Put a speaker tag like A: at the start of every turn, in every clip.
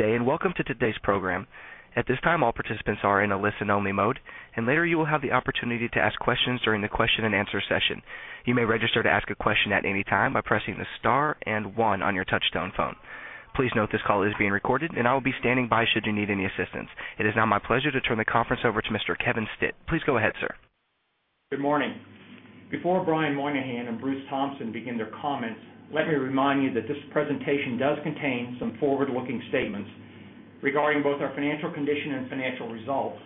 A: Welcome to today's program. At this time, all participants are in a listen-only mode, and later you will have the opportunity to ask questions during the question and answer session. You may register to ask a question at any time by pressing the star and one on your touch-tone phone. Please note this call is being recorded, and I will be standing by should you need any assistance. It is now my pleasure to turn the conference over to Mr. Kevin Stitt. Please go ahead, sir.
B: Good morning. Before Brian Moynihan and Bruce Thompson begin their comments, let me remind you that this presentation does contain some forward-looking statements regarding both our financial condition and financial results,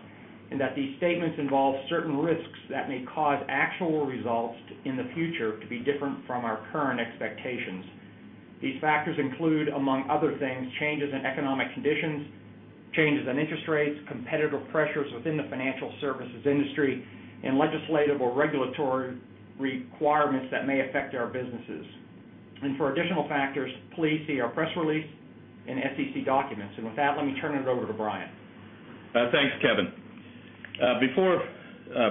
B: and that these statements involve certain risks that may cause actual results in the future to be different from our current expectations. These factors include, among other things, changes in economic conditions, changes in interest rates, competitive pressures within the financial services industry, and legislative or regulatory requirements that may affect our businesses. For additional factors, please see our press release and SEC documents. With that, let me turn it over to Brian.
C: Thanks, Kevin. Before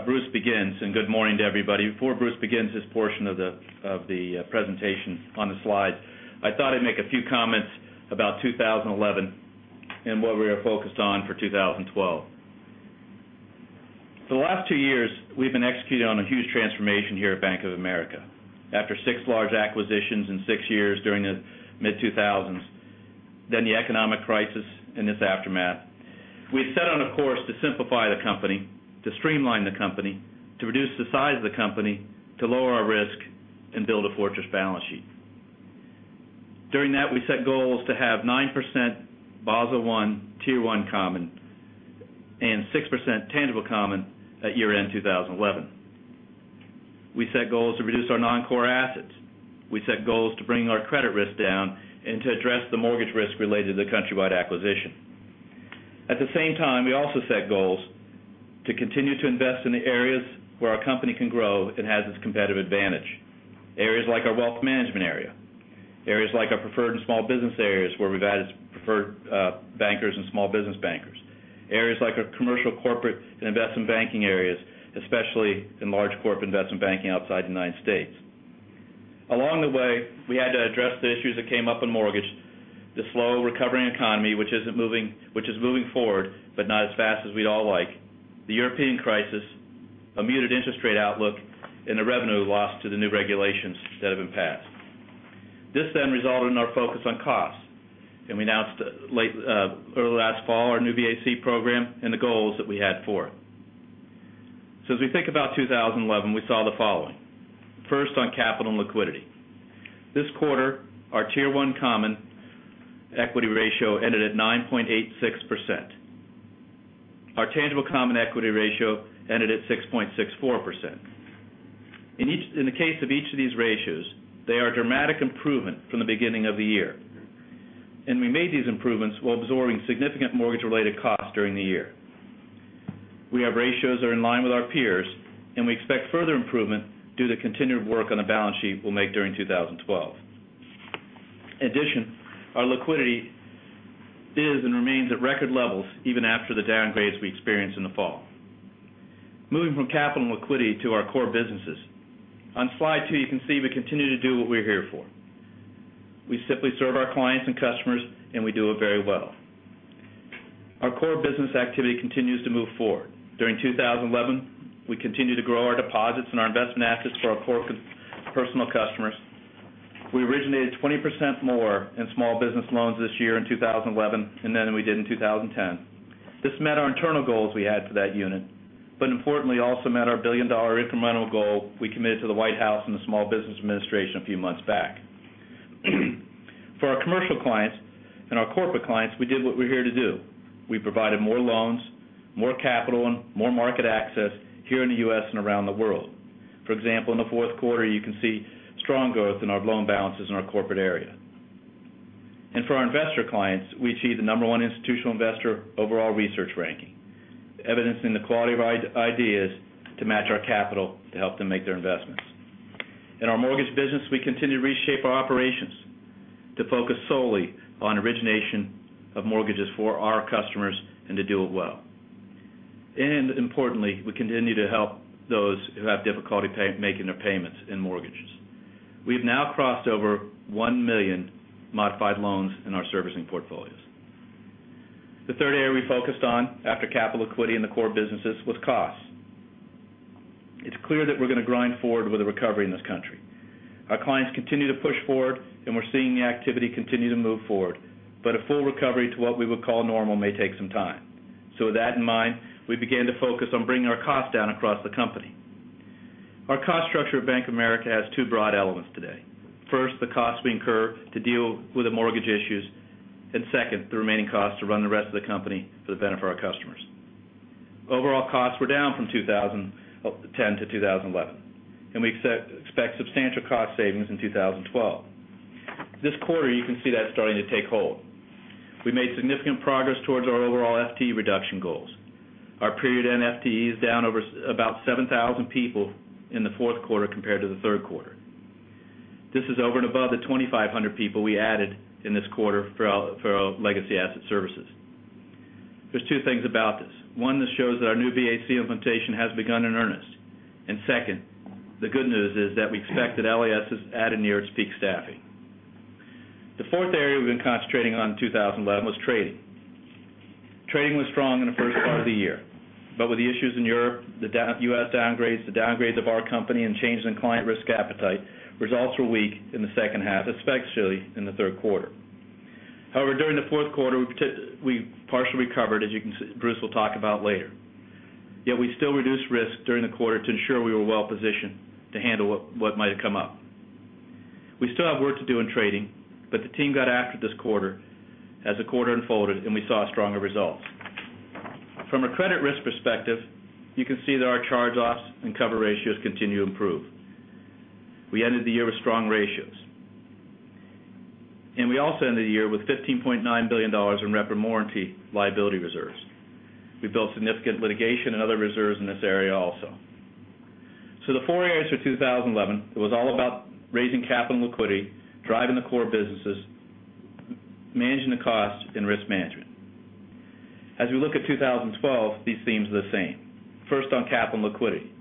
C: Bruce begins, and good morning to everybody, before Bruce begins his portion of the presentation on the slide, I thought I'd make a few comments about 2011 and what we are focused on for 2012. For the last two years, we've been executing on a huge transformation here at Bank of America. After six large acquisitions in six years during the mid-2000s, then the economic crisis and its aftermath, we've set on a course to simplify the company, to streamline the company, to reduce the size of the company, to lower our risk, and build a fortress balance sheet. During that, we set goals to have 9% Basel I Tier 1 Common and 6% Tangible Common at year-end 2011. We set goals to reduce our non-core assets. We set goals to bring our credit risk down and to address the mortgage risk related to the Countrywide acquisition. At the same time, we also set goals to continue to invest in the areas where our company can grow and has its competitive advantage. Areas like our Wealth Management area, areas like our Preferred and Small Business Banking areas where we've added preferred bankers and small business bankers, areas like our commercial corporate and investment banking areas, especially in large corporate investment banking outside the United States. Along the way, we had to address the issues that came up in mortgage, the slow recovering economy, which is moving forward, but not as fast as we'd all like, the European crisis, a muted interest rate outlook, and the revenue loss to the new regulations that have been passed. This then resulted in our focus on costs. We announced early last fall our New BAC program and the goals that we had for it. As we think about 2011, we saw the following. First on capital and liquidity. This quarter, our Tier 1 Common equity ratio ended at 9.86%. Our Tangible Common equity ratio ended at 6.64%. In the case of each of these ratios, they are dramatic improvements from the beginning of the year. We made these improvements while absorbing significant mortgage-related costs during the year. We have ratios that are in line with our peers, and we expect further improvement due to the continued work on the balance sheet we'll make during 2012. In addition, our liquidity is and remains at record levels even after the downgrades we experienced in the fall. Moving from capital and liquidity to our core businesses. On slide two, you can see we continue to do what we're here for. We simply serve our clients and customers, and we do it very well. Our core business activity continues to move forward. During 2011, we continued to grow our deposits and our investment assets for our personal customers. We originated 20% more in small business loans this year in 2011 than we did in 2010. This met our internal goals we had for that unit, but importantly also met our billion-dollar incremental goal we committed to the White House and the Small Business Administration a few months back. For our commercial clients and our corporate clients, we did what we're here to do. We provided more loans, more capital, and more market access here in the U.S. and around the world. For example, in the fourth quarter, you can see strong growth in our loan balances in our corporate area. For our investor clients, we achieved the number one institutional investor overall research ranking, evidencing the quality of our ideas to match our capital to help them make their investments. In our mortgage business, we continue to reshape our operations to focus solely on origination of mortgages for our customers and to do it well. Importantly, we continue to help those who have difficulty making their payments in mortgages. We've now crossed over 1 million modified loans in our servicing portfolios. The third area we focused on after capital liquidity in the core businesses was costs. It's clear that we're going to grind forward with a recovery in this country. Our clients continue to push forward, and we're seeing the activity continue to move forward. A full recovery to what we would call normal may take some time. With that in mind, we began to focus on bringing our costs down across the company. Our cost structure at Bank of America has two broad elements today. First, the costs we incur to deal with the mortgage issues, and second, the remaining costs to run the rest of the company for the benefit of our customers. Overall costs were down from 2010 to 2011, and we expect substantial cost savings in 2012. This quarter, you can see that starting to take hold. We made significant progress towards our overall FTE reduction goals. Our period end FTE is down about 7,000 people in the fourth quarter compared to the third quarter. This is over and above the 2,500 people we added in this quarter for our legacy asset servicing. There are two things about this. One, this shows that our New BAC implementation has begun in earnest. Second, the good news is that we expect that LAS is at or near its peak staffing. The fourth area we've been concentrating on in 2011 was trading. Trading was strong in the first part of the year, but with the issues in Europe, the U.S. downgrades, the downgrade of our company, and changes in client risk appetite, results were weak in the second half, especially in the third quarter. However, during the fourth quarter, we partially recovered, as Bruce will talk about later. Yet we still reduced risk during the quarter to ensure we were well positioned to handle what might have come up. We still have work to do in trading, but the team got after this quarter as the quarter unfolded and we saw stronger results. From a credit risk perspective, you can see that our charge-offs and cover ratios continue to improve. We ended the year with strong ratios. We also ended the year with $15.9 billion in rep and warranty liability reserves. We built significant litigation and other reserves in this area also. The four areas for 2011, it was all about raising capital and liquidity, driving the core businesses, managing the cost, and risk management. As we look at 2012, these themes are the same. First on capital and liquidity.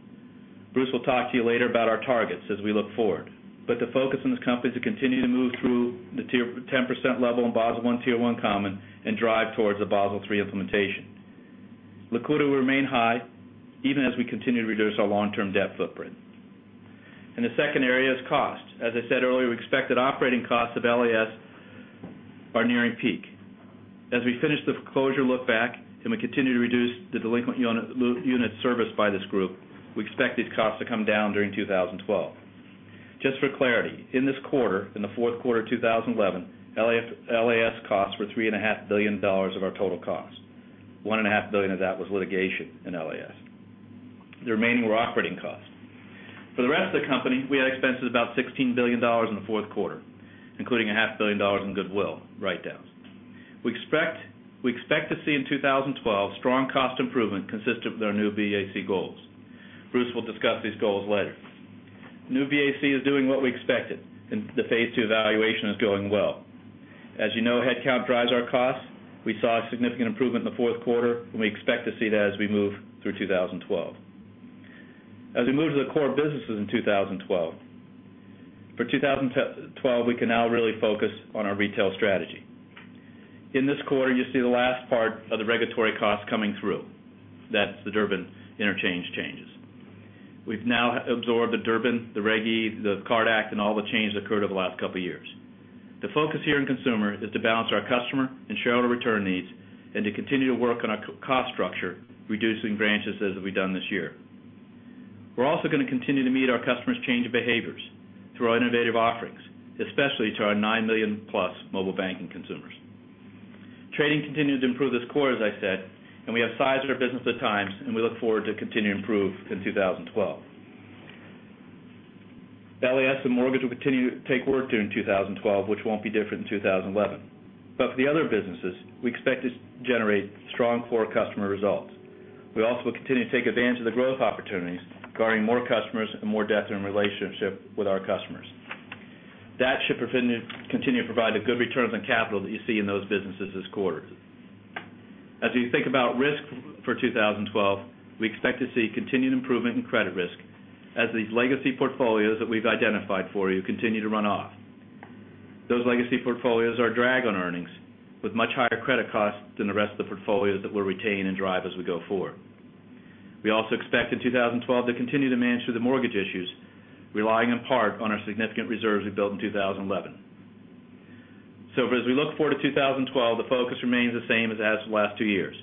C: Bruce will talk to you later about our targets as we look forward. The focus in this company is to continue to move through the Tier 1 10% level in Basel I Tier 1 Common and drive towards the Basel III implementation. Liquidity will remain high even as we continue to reduce our long-term debt footprint. The second area is cost. As I said earlier, we expect that operating costs of LAS are nearing peak. As we finish the closure look back and we continue to reduce the delinquent units serviced by this group, we expect these costs to come down during 2012. Just for clarity, in this quarter, in the fourth quarter of 2011, LAS costs were $3.5 billion of our total costs. $1.5 billion of that was litigation in LAS. The remaining were operating costs. For the rest of the company, we had expenses about $16 billion in the fourth quarter, including $0.5 billion in goodwill write-downs. We expect to see in 2012 strong cost improvement consistent with our New BAC goals. Bruce will discuss these goals later. New BAC is doing what we expected, and the phase two evaluation is going well. As you know, headcount drives our costs. We saw a significant improvement in the fourth quarter, and we expect to see that as we move through 2012. As we move to the core businesses in 2012, for 2012, we can now really focus on our retail strategy. In this quarter, you see the last part of the regulatory costs coming through. That's the Durbin interchange changes. We've now absorbed the Durbin, the Reg E, the CARD Act, and all the changes that occurred over the last couple of years. The focus here in consumer is to balance our customer and shareholder return needs and to continue to work on our cost structure, reducing branches as we've done this year. We're also going to continue to meet our customers' change of behaviors through our innovative offerings, especially to our 9 million+ mobile banking consumers. Trading continued to improve this quarter, as I said, and we have sized our business at times, and we look forward to continuing to improve in 2012. LAS and mortgage will continue to take work during 2012, which won't be different in 2011. For the other businesses, we expect to generate strong core customer results. We also will continue to take advantage of the growth opportunities, garnering more customers and more depth in relationship with our customers. That should continue to provide the good returns on capital that you see in those businesses this quarter. As we think about risk for 2012, we expect to see continued improvement in credit risk as these legacy portfolios that we've identified for you continue to run off. Those legacy portfolios are a drag on earnings with much higher credit costs than the rest of the portfolios that we'll retain and drive as we go forward. We also expect in 2012 to continue to manage through the mortgage issues, relying in part on our significant reserves we built in 2011. As we look forward to 2012, the focus remains the same as the last two years.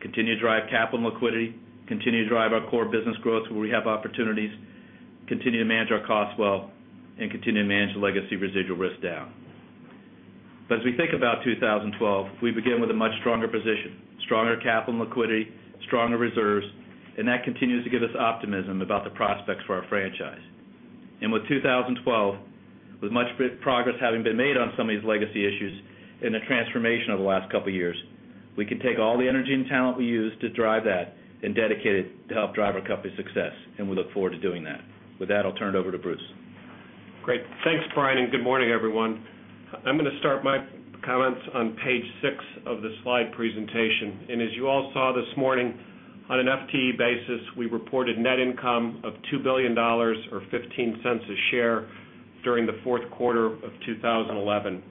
C: Continue to drive capital and liquidity, continue to drive our core business growth where we have opportunities, continue to manage our costs well, and continue to manage the legacy residual risk down. As we think about 2012, we begin with a much stronger position, stronger capital and liquidity, stronger reserves, and that continues to give us optimism about the prospects for our franchise. With 2012, with much progress having been made on some of these legacy issues and the transformation over the last couple of years, we can take all the energy and talent we use to drive that and dedicate it to help drive our company's success. We look forward to doing that. With that, I'll turn it over to Bruce.
D: Great. Thanks, Brian, and good morning, everyone. I'm going to start my comments on page six of the slide presentation. As you all saw this morning, on an FTE basis, we reported net income of $2 billion or $0.15 a share during the fourth quarter of 2011.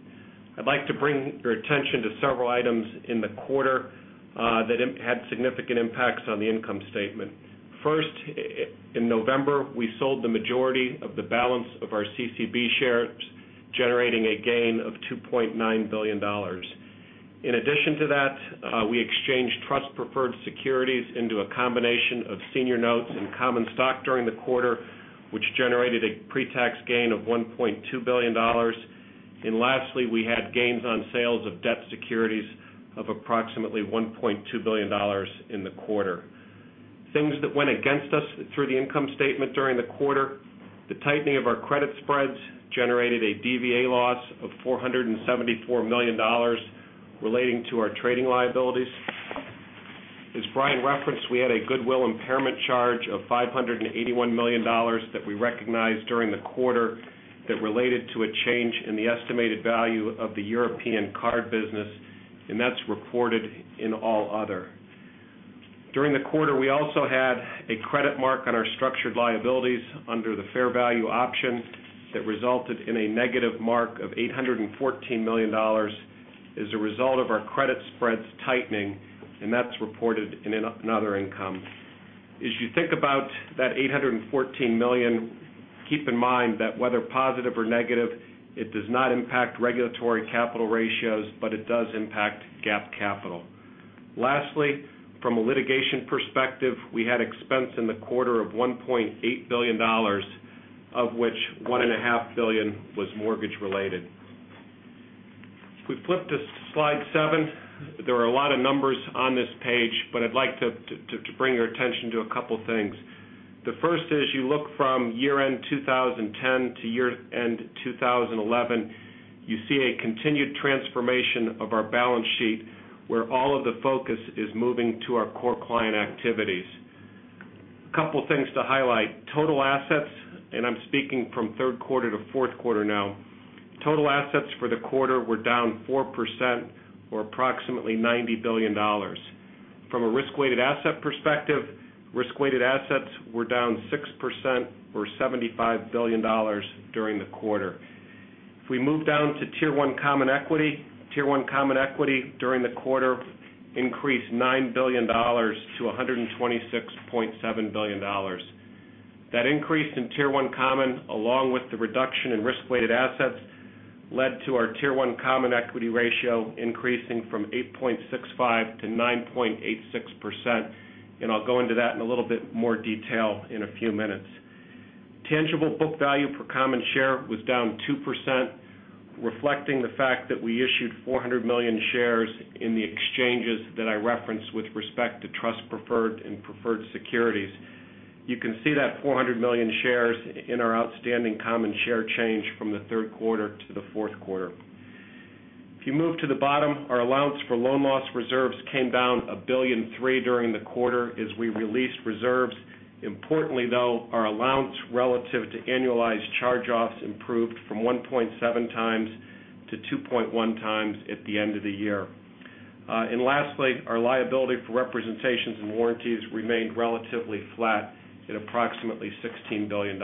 D: I'd like to bring your attention to several items in the quarter that had significant impacts on the income statement. First, in November, we sold the majority of the balance of our CCB shares, generating a gain of $2.9 billion. In addition to that, we exchanged trust-preferred securities into a combination of senior notes and common stock during the quarter, which generated a pre-tax gain of $1.2 billion. Lastly, we had gains on sales of debt securities of approximately $1.2 billion in the quarter. Things that went against us through the income statement during the quarter, the tightening of our credit spreads generated a DVA loss of $474 million relating to our trading liabilities. As Brian referenced, we had a goodwill impairment charge of $581 million that we recognized during the quarter that related to a change in the estimated value of the European card business, and that's recorded in all other. During the quarter, we also had a credit mark on our structured liabilities under the fair value option that resulted in a negative mark of $814 million as a result of our credit spreads tightening, and that's reported in another income. As you think about that $814 million, keep in mind that whether positive or negative, it does not impact regulatory capital ratios, but it does impact GAAP capital. Lastly, from a litigation perspective, we had expense in the quarter of $1.8 billion, of which $1.5 billion was mortgage related. If we flip to slide seven, there are a lot of numbers on this page, but I'd like to bring your attention to a couple of things. The first is, as you look from year-end 2010 to year-end 2011, you see a continued transformation of our balance sheet where all of the focus is moving to our core client activities. A couple of things to highlight. Total assets, and I'm speaking from third quarter to fourth quarter now, total assets for the quarter were down 4% or approximately $90 billion. From a risk-weighted asset perspective, risk-weighted assets were down 6% or $75 billion during the quarter. If we move down to Tier 1 Common Equity, Tier 1 Common Equity during the quarter increased $9 billion to $126.7 billion. That increase in Tier 1 Common, along with the reduction in risk-weighted assets, led to our Tier 1 Common Equity ratio increasing from 8.65% to 9.86%. I'll go into that in a little bit more detail in a few minutes. Tangible Book Value per Common Share was down 2%, reflecting the fact that we issued 400 million shares in the exchanges that I referenced with respect to trust-preferred and preferred securities. You can see that 400 million shares in our outstanding common share change from the third quarter to the fourth quarter. If you move to the bottom, our allowance for loan loss reserves came down $1.3 billion during the quarter as we released reserves. Importantly, though, our allowance relative to annualized charge-offs improved from 1.7x to 2.1 x at the end of the year. Lastly, our liability for representations and warranties remained relatively flat at approximately $16 billion.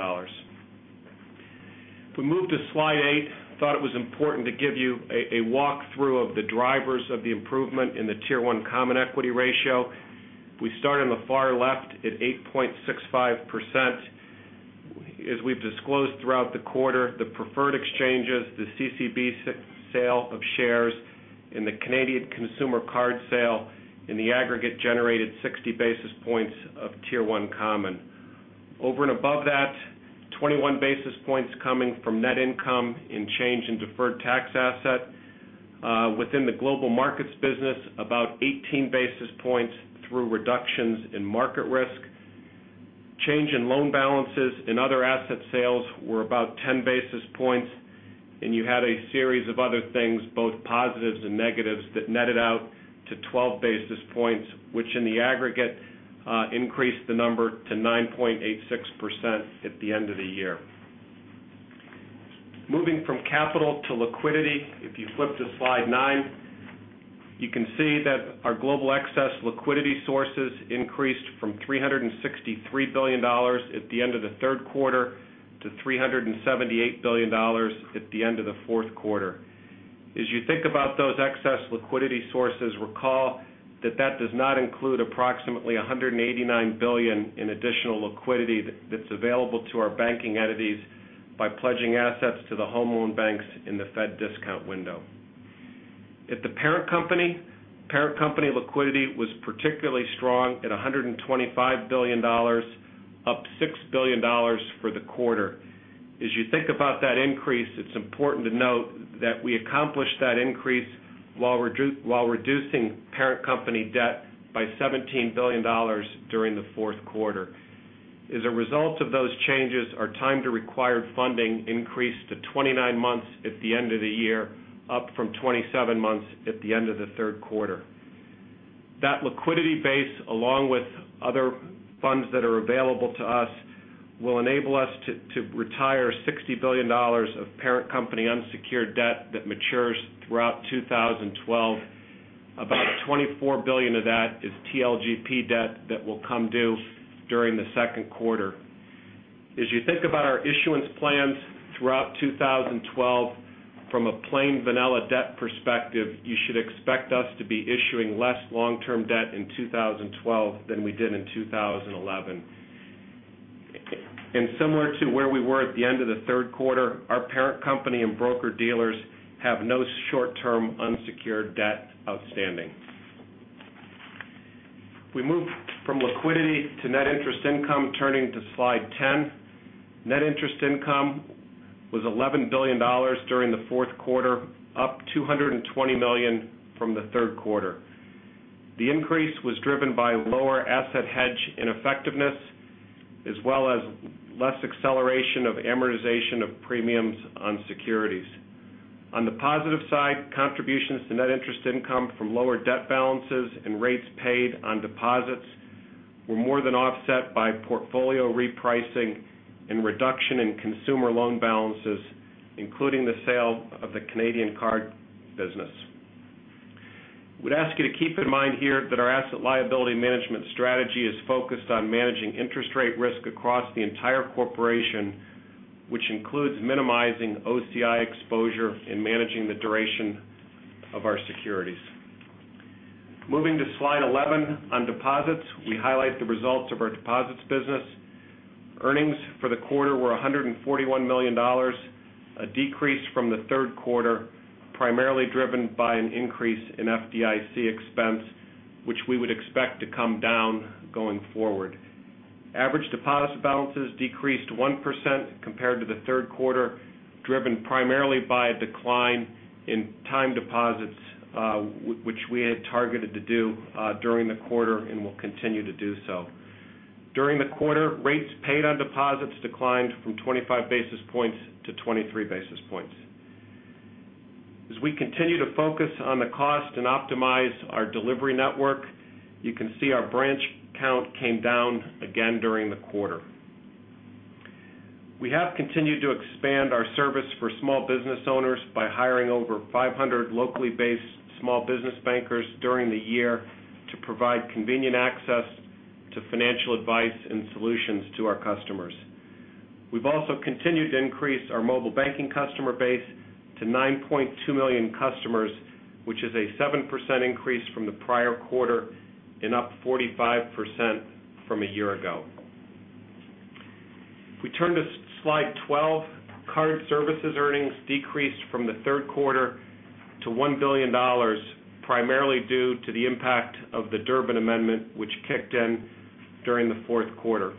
D: If we move to slide eight, I thought it was important to give you a walkthrough of the drivers of the improvement in the Tier 1 Common Equity ratio. We start on the far left at 8.65%. As we've disclosed throughout the quarter, the preferred exchanges, the CCB sale of shares, and the Canadian consumer card sale in the aggregate generated 60 basis points of Tier 1 Common. Over and above that, 21 basis points coming from net income in change in deferred tax asset. Within the Global Markets business, about 18 basis points through reductions in market risk. Change in loan balances and other asset sales were about 10 basis points. You had a series of other things, both positives and negatives, that netted out to 12 basis points, which in the aggregate increased the number to 9.86% at the end of the year. Moving from capital to liquidity, if you flip to slide nine, you can see that our global excess liquidity sources increased from $363 billion at the end of the third quarter to $378 billion at the end of the fourth quarter. As you think about those excess liquidity sources, recall that that does not include approximately $189 billion in additional liquidity that's available to our banking entities by pledging assets to the home loan banks in the Fed discount window. At the parent company, parent company liquidity was particularly strong at $125 billion, up $6 billion for the quarter. As you think about that increase, it's important to note that we accomplished that increase while reducing parent company debt by $17 billion during the fourth quarter. As a result of those changes, our time to required funding increased to 29 months at the end of the year, up from 27 months at the end of the third quarter. That liquidity base, along with other funds that are available to us, will enable us to retire $60 billion of parent company unsecured debt that matures throughout 2012. About $24 billion of that is TLGP debt that will come due during the second quarter. As you think about our issuance plans throughout 2012, from a plain vanilla debt perspective, you should expect us to be issuing less long-term debt in 2012 than we did in 2011. Similar to where we were at the end of the third quarter, our parent company and broker dealers have no short-term unsecured debt outstanding. If we move from liquidity to net interest income, turning to slide 10, net interest income was $11 billion during the fourth quarter, up $220 million from the third quarter. The increase was driven by lower asset hedge ineffectiveness, as well as less acceleration of amortization of premiums on securities. On the positive side, contributions to net interest income from lower debt balances and rates paid on deposits were more than offset by portfolio repricing and reduction in consumer loan balances, including the sale of the Canadian card business. I would ask you to keep in mind here that our asset liability management strategy is focused on managing interest rate risk across the entire corporation, which includes minimizing OCI exposure and managing the duration of our securities. Moving to slide 11, on deposits, we highlight the results of our deposits business. Earnings for the quarter were $141 million, a decrease from the third quarter, primarily driven by an increase in FDIC expense, which we would expect to come down going forward. Average deposit balances decreased 1% compared to the third quarter, driven primarily by a decline in time deposits, which we had targeted to do during the quarter and will continue to do so. During the quarter, rates paid on deposits declined from 25 basis points to 23 basis points. As we continue to focus on the cost and optimize our delivery network, you can see our branch count came down again during the quarter. We have continued to expand our service for small business owners by hiring over 500 locally based small business bankers during the year to provide convenient access to financial advice and solutions to our customers. We've also continued to increase our mobile banking customer base to 9.2 million customers, which is a 7% increase from the prior quarter and up 45% from a year ago. If we turn to slide 12, card services earnings decreased from the third quarter to $1 billion, primarily due to the impact of the Durbin Amendment, which kicked in during the fourth quarter.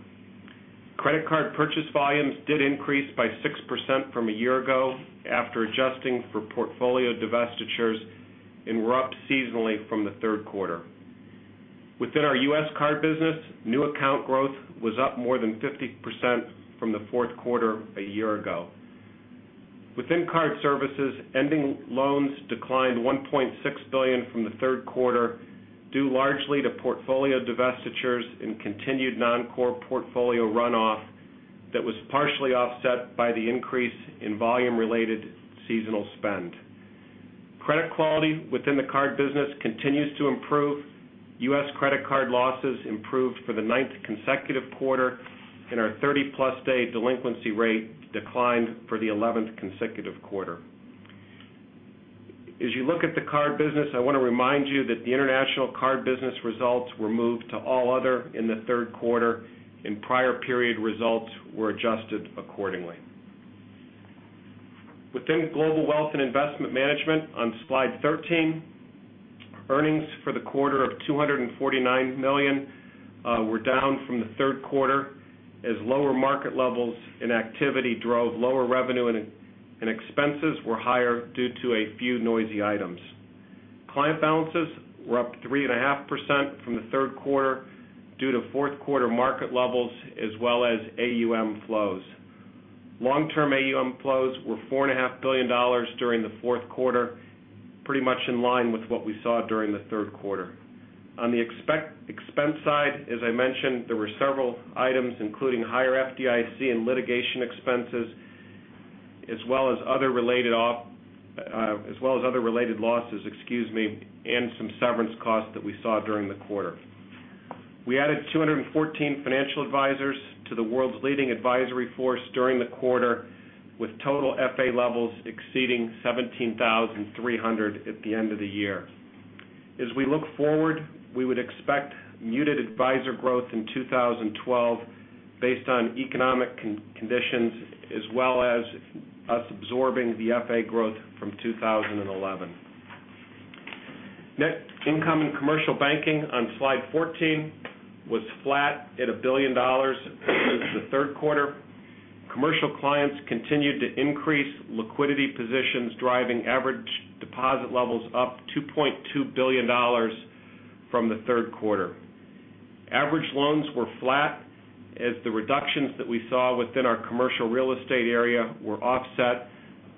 D: Credit card purchase volumes did increase by 6% from a year ago after adjusting for portfolio divestitures, and were up seasonally from the third quarter. Within our U.S. card business, new account growth was up more than 50% from the fourth quarter a year ago. Within card services, ending loans declined $1.6 billion from the third quarter, due largely to portfolio divestitures and continued non-core portfolio runoff that was partially offset by the increase in volume-related seasonal spend. Credit quality within the card business continues to improve. U.S. credit card losses improved for the ninth consecutive quarter, and our 30-plus-day delinquency rate declined for the 11th consecutive quarter. As you look at the card business, I want to remind you that the international card business results were moved to all other in the third quarter, and prior period results were adjusted accordingly. Within Global Wealth and Investment Management, on slide 13, earnings for the quarter of $249 million were down from the third quarter, as lower market levels and activity drove lower revenue, and expenses were higher due to a few noisy items. Client balances were up 3.5% from the third quarter due to fourth quarter market levels, as well as AUM flows. Long-term AUM flows were $4.5 billion during the fourth quarter, pretty much in line with what we saw during the third quarter. On the expense side, as I mentioned, there were several items, including higher FDIC and litigation expenses, as well as other related losses, and some severance costs that we saw during the quarter. We added 214 financial advisors to the world's leading advisory force during the quarter, with total FA levels exceeding 17,300 at the end of the year. As we look forward, we would expect muted advisor growth in 2012 based on economic conditions, as well as us absorbing the FA growth from 2011. Net income in Commercial Banking on slide 14 was flat at $1 billion. This is the third quarter. Commercial clients continued to increase liquidity positions, driving average deposit levels up $2.2 billion from the third quarter. Average loans were flat, as the reductions that we saw within our commercial real estate area were offset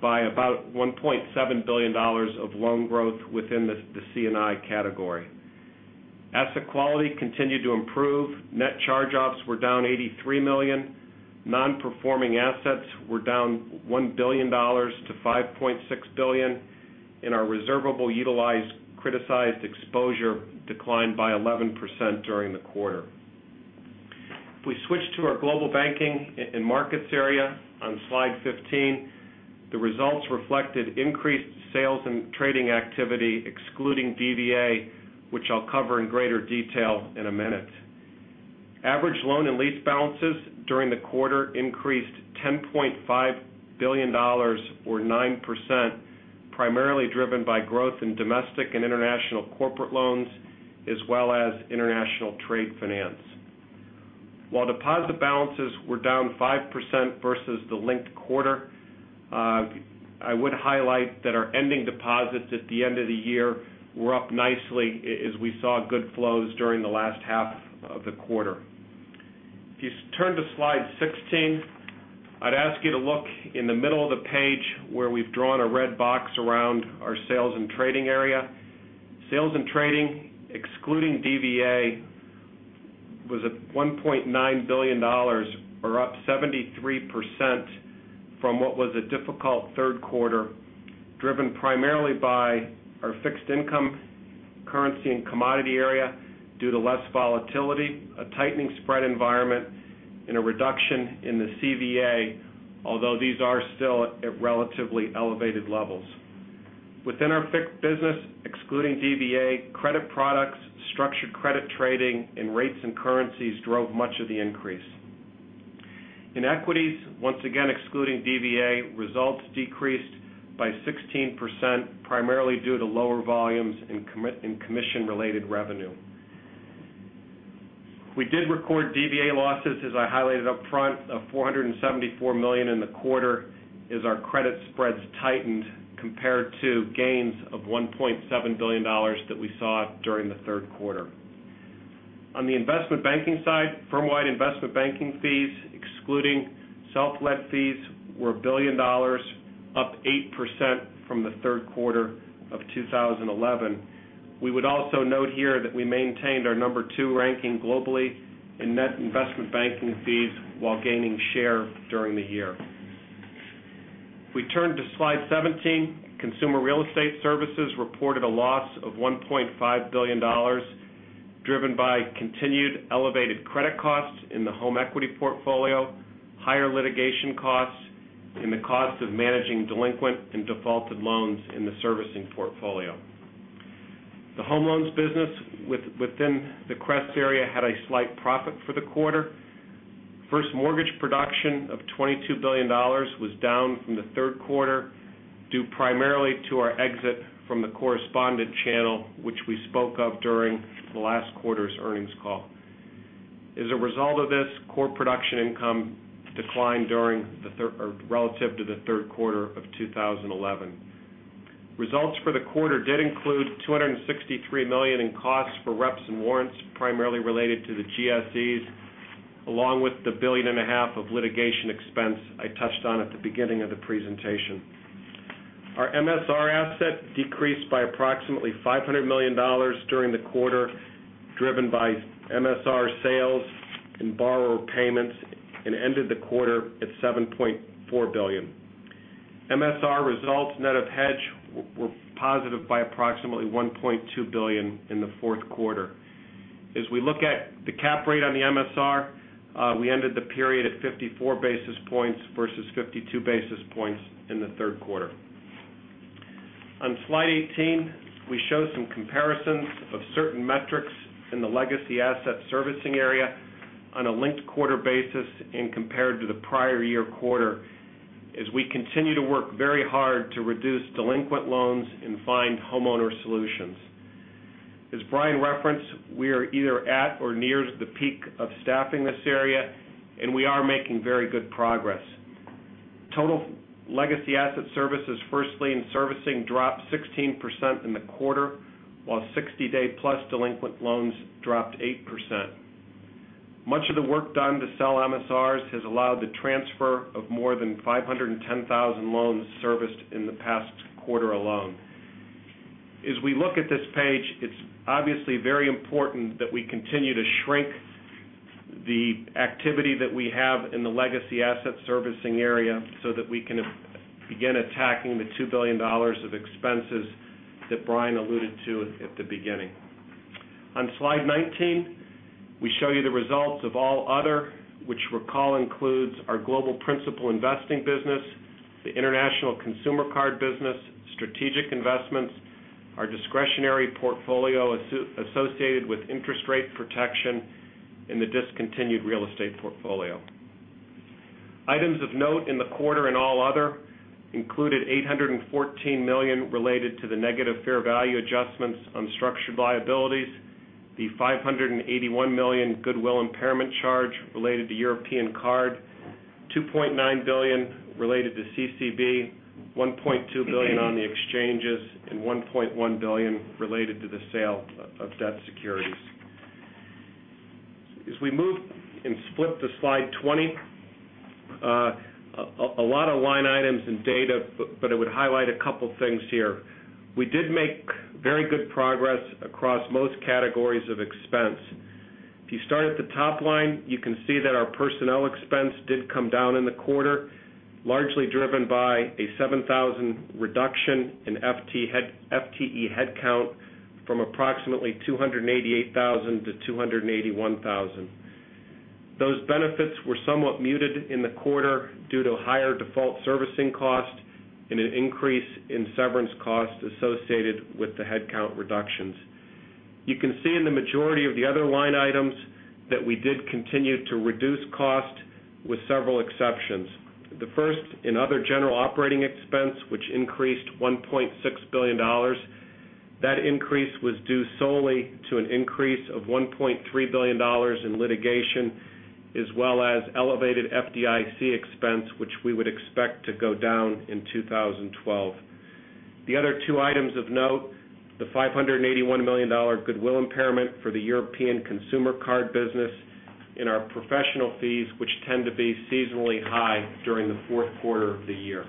D: by about $1.7 billion of loan growth within the CNI category. Asset quality continued to improve. Net charge-offs were down $83 million. Non-performing assets were down $1 billion to $5.6 billion, and our reservable utilized criticized exposure declined by 11% during the quarter. If we switch to our Global Banking and Markets area on slide 15, the results reflected increased sales and trading activity, excluding DVA, which I'll cover in greater detail in a minute. Average loan and lease balances during the quarter increased $10.5 billion, or 9%, primarily driven by growth in domestic and international corporate loans, as well as international trade finance. While deposit balances were down 5% versus the linked quarter, I would highlight that our ending deposits at the end of the year were up nicely, as we saw good flows during the last half of the quarter. If you turn to slide 16, I'd ask you to look in the middle of the page where we've drawn a red box around our sales and trading area. Sales and trading, excluding DVA, was at $1.9 billion, or up 73% from what was a difficult third quarter, driven primarily by our fixed income currency and commodity area due to less volatility, a tightening spread environment, and a reduction in the CVA, although these are still at relatively elevated levels. Within our fixed business, excluding DVA, credit products, structured credit trading, and rates and currencies drove much of the increase. In equities, once again, excluding DVA, results decreased by 16%, primarily due to lower volumes and commission-related revenue. We did record DVA losses, as I highlighted up front, of $474 million in the quarter, as our credit spreads tightened compared to gains of $1.7 billion that we saw during the third quarter. On the investment banking side, firm-wide investment banking fees, excluding self-led fees, were $1 billion, up 8% from the third quarter of 2011. We would also note here that we maintained our number two ranking globally in net investment banking fees while gaining share during the year. If we turn to slide 17, Consumer Real Estate Services reported a loss of $1.5 billion, driven by continued elevated credit costs in the home equity portfolio, higher litigation costs, and the cost of managing delinquent and defaulted loans in the servicing portfolio. The home loans business within the CREST area had a slight profit for the quarter. First mortgage production of $22 billion was down from the third quarter, due primarily to our exit from the correspondent channel, which we spoke of during the last quarter's earnings call. As a result of this, core production income declined relative to the third quarter of 2011. Results for the quarter did include $263 million in costs for reps and warrants, primarily related to the GSEs, along with the $1.5 billion of litigation expense I touched on at the beginning of the presentation. Our MSR asset decreased by approximately $500 million during the quarter, driven by MSR sales and borrower payments, and ended the quarter at $7.4 billion. MSR results net of hedge were positive by approximately $1.2 billion in the fourth quarter. As we look at the cap rate on the MSR, we ended the period at 54 basis points versus 52 basis points in the third quarter. On slide 18, we show some comparisons of certain metrics in the legacy asset servicing area on a linked quarter basis and compared to the prior year quarter, as we continue to work very hard to reduce delinquent loans and find homeowner solutions. As Brian referenced, we are either at or near the peak of staffing this area, and we are making very good progress. Total legacy asset services, firstly in servicing, dropped 16% in the quarter, while 60-day+ delinquent loans dropped 8%. Much of the work done to sell MSRs has allowed the transfer of more than 510,000 loans serviced in the past quarter alone. As we look at this page, it's obviously very important that we continue to shrink the activity that we have in the legacy asset servicing area so that we can begin attacking the $2 billion of expenses that Brian alluded to at the beginning. On slide 19, we show you the results of all other, which recall includes our global principal investing business, the international consumer card business, strategic investments, our discretionary portfolio associated with interest rate protection, and the discontinued real estate portfolio. Items of note in the quarter in all other included $814 million related to the negative fair value adjustments on structured liabilities, the $581 million goodwill impairment charge related to European card, $2.9 billion related to CCB, $1.2 billion on the exchanges, and $1.1 billion related to the sale of debt securities. As we move and split to slide 20, a lot of line items and data, but I would highlight a couple of things here. We did make very good progress across most categories of expense. If you start at the top line, you can see that our personnel expense did come down in the quarter, largely driven by a $7,000 reduction in FTE headcount from approximately 288,000 to 281,000. Those benefits were somewhat muted in the quarter due to higher default servicing costs and an increase in severance costs associated with the headcount reductions. You can see in the majority of the other line items that we did continue to reduce costs with several exceptions. The first in other general operating expense, which increased $1.6 billion. That increase was due solely to an increase of $1.3 billion in litigation, as well as elevated FDIC expense, which we would expect to go down in 2012. The other two items of note, the $581 million goodwill impairment for the European consumer card business and our professional fees, which tend to be seasonally high during the fourth quarter of the year.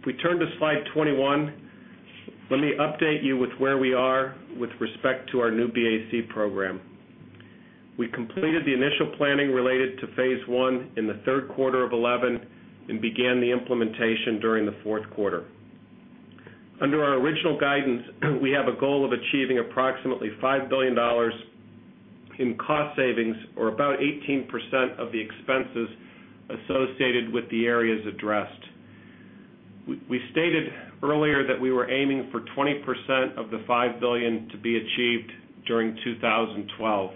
D: If we turn to slide 21, let me update you with where we are with respect to our New BAC program. We completed the initial planning related to phase one in the third quarter of 2011 and began the implementation during the fourth quarter. Under our original guidance, we have a goal of achieving approximately $5 billion in cost savings, or about 18% of the expenses associated with the areas addressed. We stated earlier that we were aiming for 20% of the $5 billion to be achieved during 2012.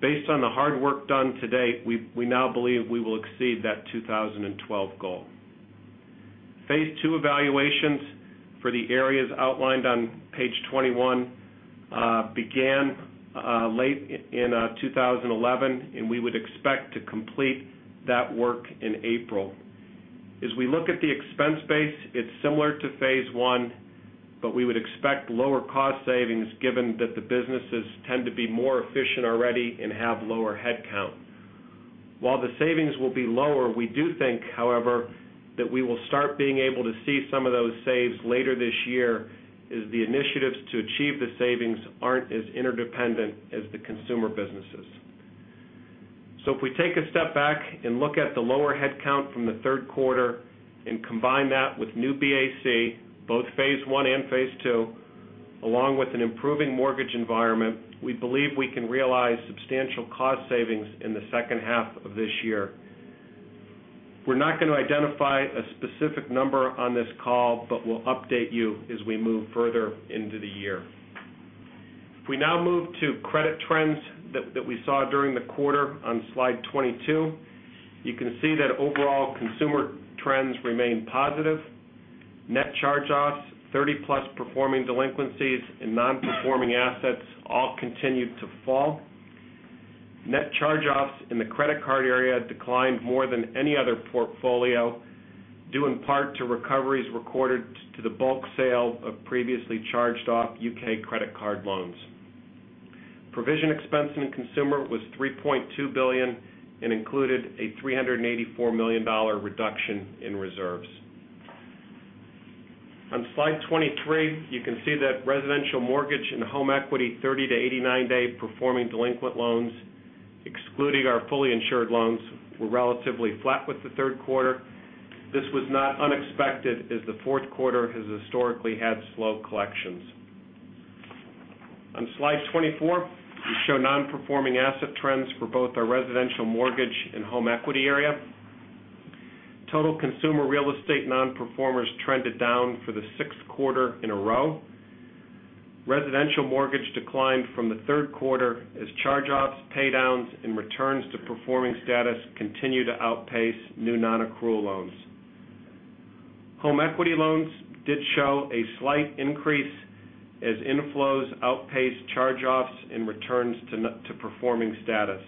D: Based on the hard work done to date, we now believe we will exceed that 2012 goal. Phase II evaluations for the areas outlined on page 21 began late in 2011, and we would expect to complete that work in April. As we look at the expense base, it's similar to phase I, but we would expect lower cost savings given that the businesses tend to be more efficient already and have lower headcount. While the savings will be lower, we do think, however, that we will start being able to see some of those saves later this year as the initiatives to achieve the savings aren't as interdependent as the consumer businesses. If we take a step back and look at the lower headcount from the third quarter and combine that with New BAC, both phase I and phase II, along with an improving mortgage environment, we believe we can realize substantial cost savings in the second half of this year. We're not going to identify a specific number on this call, but we'll update you as we move further into the year. If we now move to credit trends that we saw during the quarter on slide 22, you can see that overall consumer trends remain positive. Net charge-offs, 30+ performing delinquencies, and non-performing assets all continued to fall. Net charge-offs in the credit card area declined more than any other portfolio, due in part to recoveries recorded to the bulk sale of previously charged off U.K. credit card loans. Provision expense in the consumer was $3.2 billion and included a $384 million reduction in reserves. On slide 23, you can see that residential mortgage and home equity 30-day to 89-day performing delinquent loans, excluding our fully insured loans, were relatively flat with the third quarter. This was not unexpected as the fourth quarter has historically had slow collections. On slide 24, we show non-performing asset trends for both our residential mortgage and home equity area. Total consumer real estate non-performers trended down for the sixth quarter in a row. Residential mortgage declined from the third quarter as charge-offs, paydowns, and returns to performing status continue to outpace new non-accrual loans. Home equity loans did show a slight increase as inflows outpace charge-offs and returns to performing status.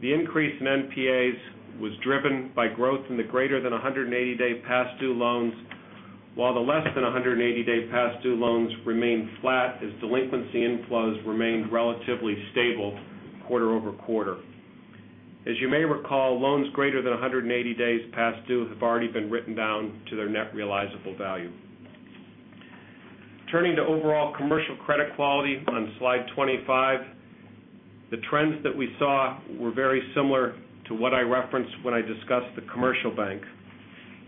D: The increase in NPAs was driven by growth in the greater than 180-day past-due loans, while the less than 180-day past-due loans remained flat as delinquency inflows remained relatively stable quarter-over-quarter. As you may recall, loans greater than 180 days past due have already been written down to their net realizable value. Turning to overall commercial credit quality on slide 25, the trends that we saw were very similar to what I referenced when I discussed the commercial bank.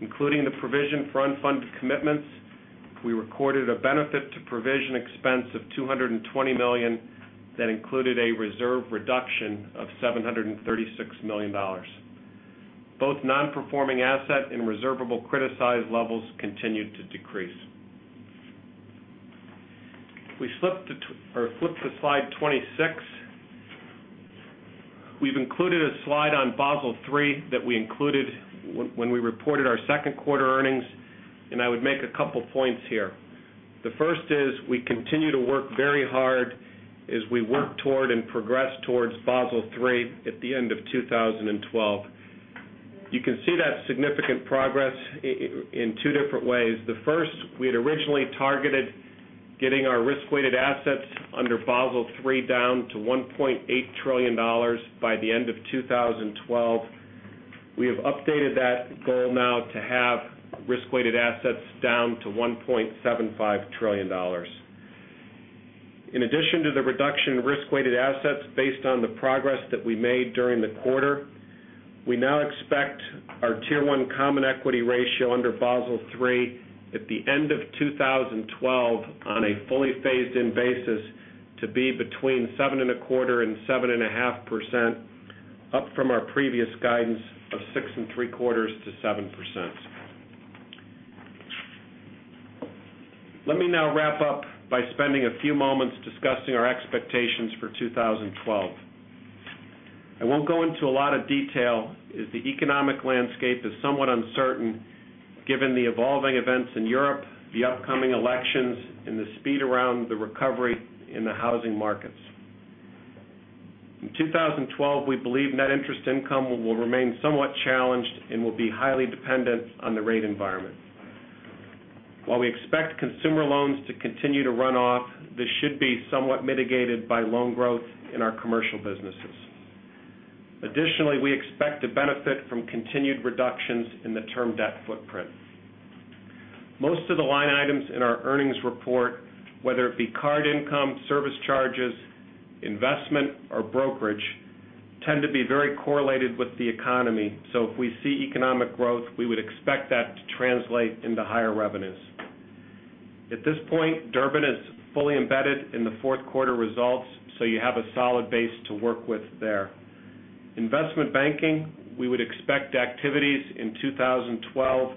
D: Including the provision for unfunded commitments, we recorded a benefit to provision expense of $220 million that included a reserve reduction of $736 million. Both non-performing asset and reservable criticized levels continued to decrease. If we flip to slide 26, we've included a slide on Basel III that we included when we reported our second quarter earnings, and I would make a couple of points here. The first is we continue to work very hard as we work toward and progress towards Basel III at the end of 2012. You can see that significant progress in two different ways. The first, we had originally targeted getting our risk-weighted assets under Basel III down to $1.8 trillion by the end of 2012. We have updated that goal now to have risk-weighted assets down to $1.75 trillion. In addition to the reduction in risk-weighted assets based on the progress that we made during the quarter, we now expect our Tier 1 Common Equity Ratio under Basel III at the end of 2012 on a fully phased-in basis to be between 7.25% and 7.5%, up from our previous guidance of 6.75%-7%. Let me now wrap up by spending a few moments discussing our expectations for 2012. I won't go into a lot of detail as the economic landscape is somewhat uncertain given the evolving events in Europe, the upcoming elections, and the speed around the recovery in the housing markets. In 2012, we believe net interest income will remain somewhat challenged and will be highly dependent on the rate environment. While we expect consumer loans to continue to run off, this should be somewhat mitigated by loan growth in our commercial businesses. Additionally, we expect to benefit from continued reductions in the term debt footprint. Most of the line items in our earnings report, whether it be card income, service charges, investment, or brokerage, tend to be very correlated with the economy. If we see economic growth, we would expect that to translate into higher revenues. At this point, Durbin is fully embedded in the fourth quarter results, so you have a solid base to work with there. Investment banking, we would expect activities in 2012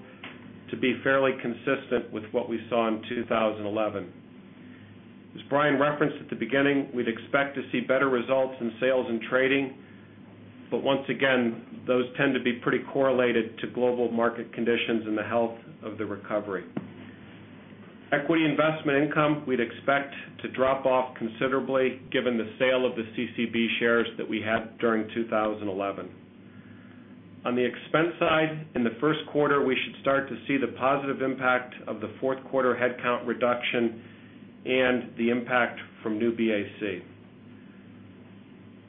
D: to be fairly consistent with what we saw in 2011. As Brian referenced at the beginning, we'd expect to see better results in sales and trading, but once again, those tend to be pretty correlated to global market conditions and the health of the recovery. Equity investment income, we'd expect to drop off considerably given the sale of the CCB shares that we had during 2011. On the expense side, in the first quarter, we should start to see the positive impact of the fourth quarter headcount reduction and the impact from New BAC.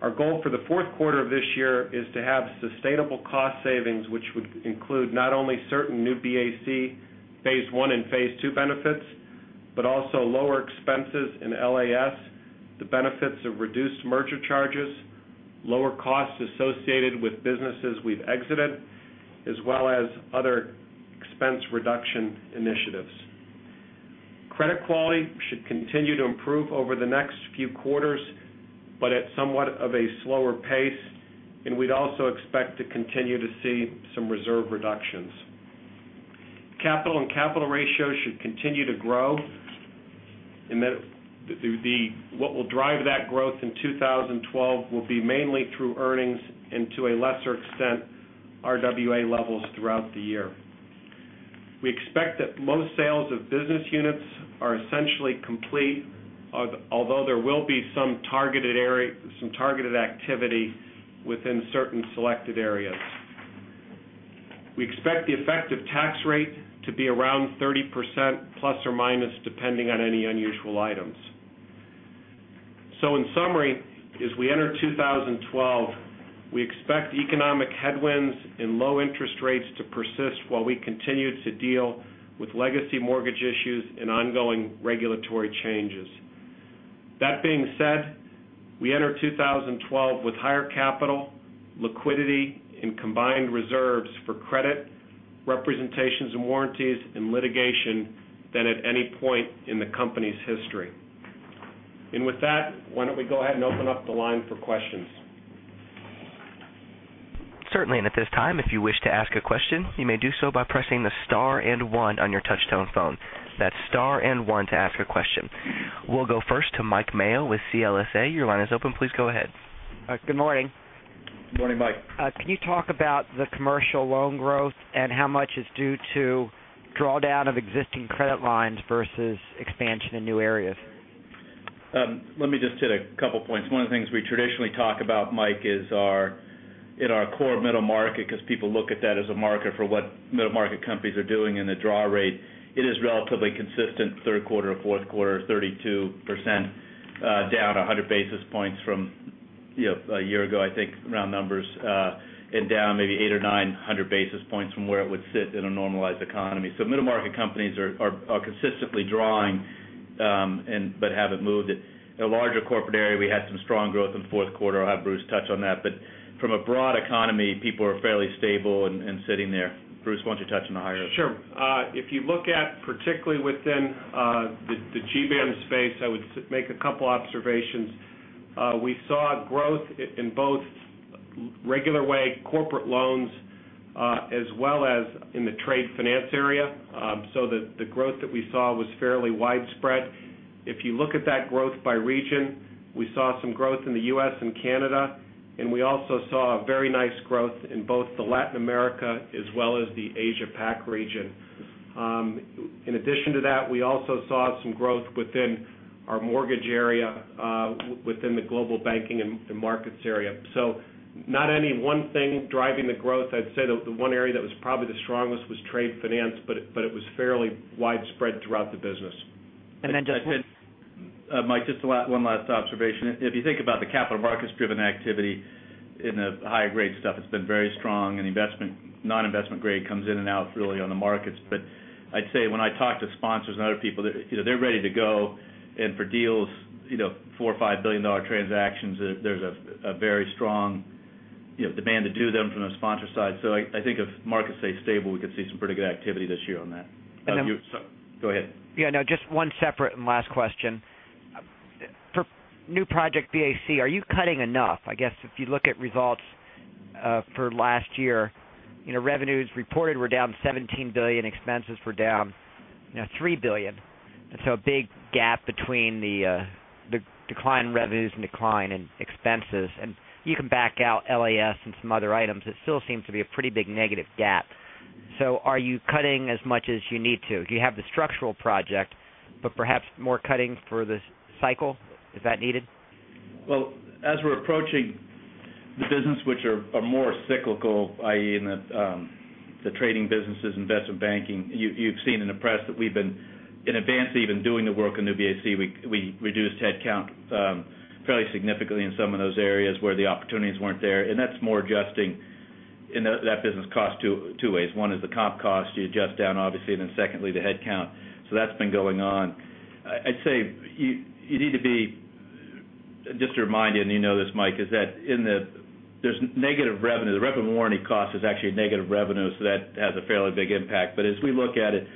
D: Our goal for the fourth quarter of this year is to have sustainable cost savings, which would include not only certain New BAC, phase one and phase two benefits, but also lower expenses in LAS, the benefits of reduced merger charges, lower costs associated with businesses we've exited, as well as other expense reduction initiatives. Credit quality should continue to improve over the next few quarters, but at somewhat of a slower pace, and we'd also expect to continue to see some reserve reductions. Capital and capital ratios should continue to grow, and what will drive that growth in 2012 will be mainly through earnings and to a lesser extent RWA levels throughout the year. We expect that most sales of business units are essentially complete, although there will be some targeted activity within certain selected areas. We expect the effective tax rate to be around 30% plus or minus, depending on any unusual items. In summary, as we enter 2012, we expect economic headwinds and low interest rates to persist while we continue to deal with legacy mortgage issues and ongoing regulatory changes. That being said, we enter 2012 with higher capital, liquidity, and combined reserves for credit, representations, and warranties, and litigation than at any point in the company's history. With that, why don't we go ahead and open up the line for questions?
A: Certainly. At this time, if you wish to ask a question, you may do so by pressing the star and one on your touch-tone phone. That's star and one to ask a question. We'll go first to Mike Mayo with CLSA. Your line is open. Please go ahead.
E: Good morning.
C: Morning, Mike.
E: Can you talk about the commercial loan growth and how much is due to drawdown of existing credit lines versus expansion in new areas?
C: Let me just hit a couple of points. One of the things we traditionally talk about, Mike, is in our core middle market, because people look at that as a market for what middle market companies are doing in the draw rate. It is relatively consistent third quarter, fourth quarter, 32%, down 100 basis points from a year ago, I think, round numbers, and down maybe 800 basis points or 900 basis points from where it would sit in a normalized economy. Middle market companies are consistently drawing but have not moved it. In a larger corporate area, we had some strong growth in the fourth quarter. I'll have Bruce touch on that. From a broad economy, people are fairly stable and sitting there. Bruce, why don't you touch on the higher?
D: Sure. If you look at particularly within the Global Banking and Markets space, I would make a couple of observations. We saw growth in both regular way corporate loans as well as in the trade finance area. The growth that we saw was fairly widespread. If you look at that growth by region, we saw some growth in the U.S. and Canada, and we also saw a very nice growth in both Latin America as well as the Asia-Pac region. In addition to that, we also saw some growth within our mortgage area within the Global Banking and Markets area. Not any one thing was driving the growth. I'd say the one area that was probably the strongest was trade finance, but it was fairly widespread throughout the business.
C: Mike, just one last observation. If you think about the capital markets-driven activity in the higher grade stuff, it's been very strong and non-investment grade comes in and out really on the markets. I'd say when I talk to sponsors and other people, they're ready to go. For deals, you know, $4 billion or $5 billion transactions, there's a very strong demand to do them from a sponsor side. I think if markets stay stable, we could see some pretty good activity this year on that. Go ahead.
E: Yeah, no, just one separate and last question. For New BAC, are you cutting enough? I guess if you look at results for last year, you know, revenues reported were down $17 billion, expenses were down, you know, $3 billion. There is a big gap between the decline in revenues and decline in expenses. You can back out LAS and some other items. It still seems to be a pretty big negative gap. Are you cutting as much as you need to? You have the structural project, but perhaps more cutting for the cycle is needed?
C: As we're approaching the business, which are more cyclical, i.e., in the trading businesses and investment banking, you've seen in the press that we've been, in advance, even doing the work in New BAC, we reduced headcount fairly significantly in some of those areas where the opportunities weren't there. That's more adjusting in that business cost two ways. One is the comp cost you adjust down, obviously, and then secondly, the headcount. That's been going on. I'd say you need to be, just to remind you, and you know this, Mike, there's negative revenue. The revenue warranty cost is actually negative revenue, so that has a fairly big impact. As we look at it,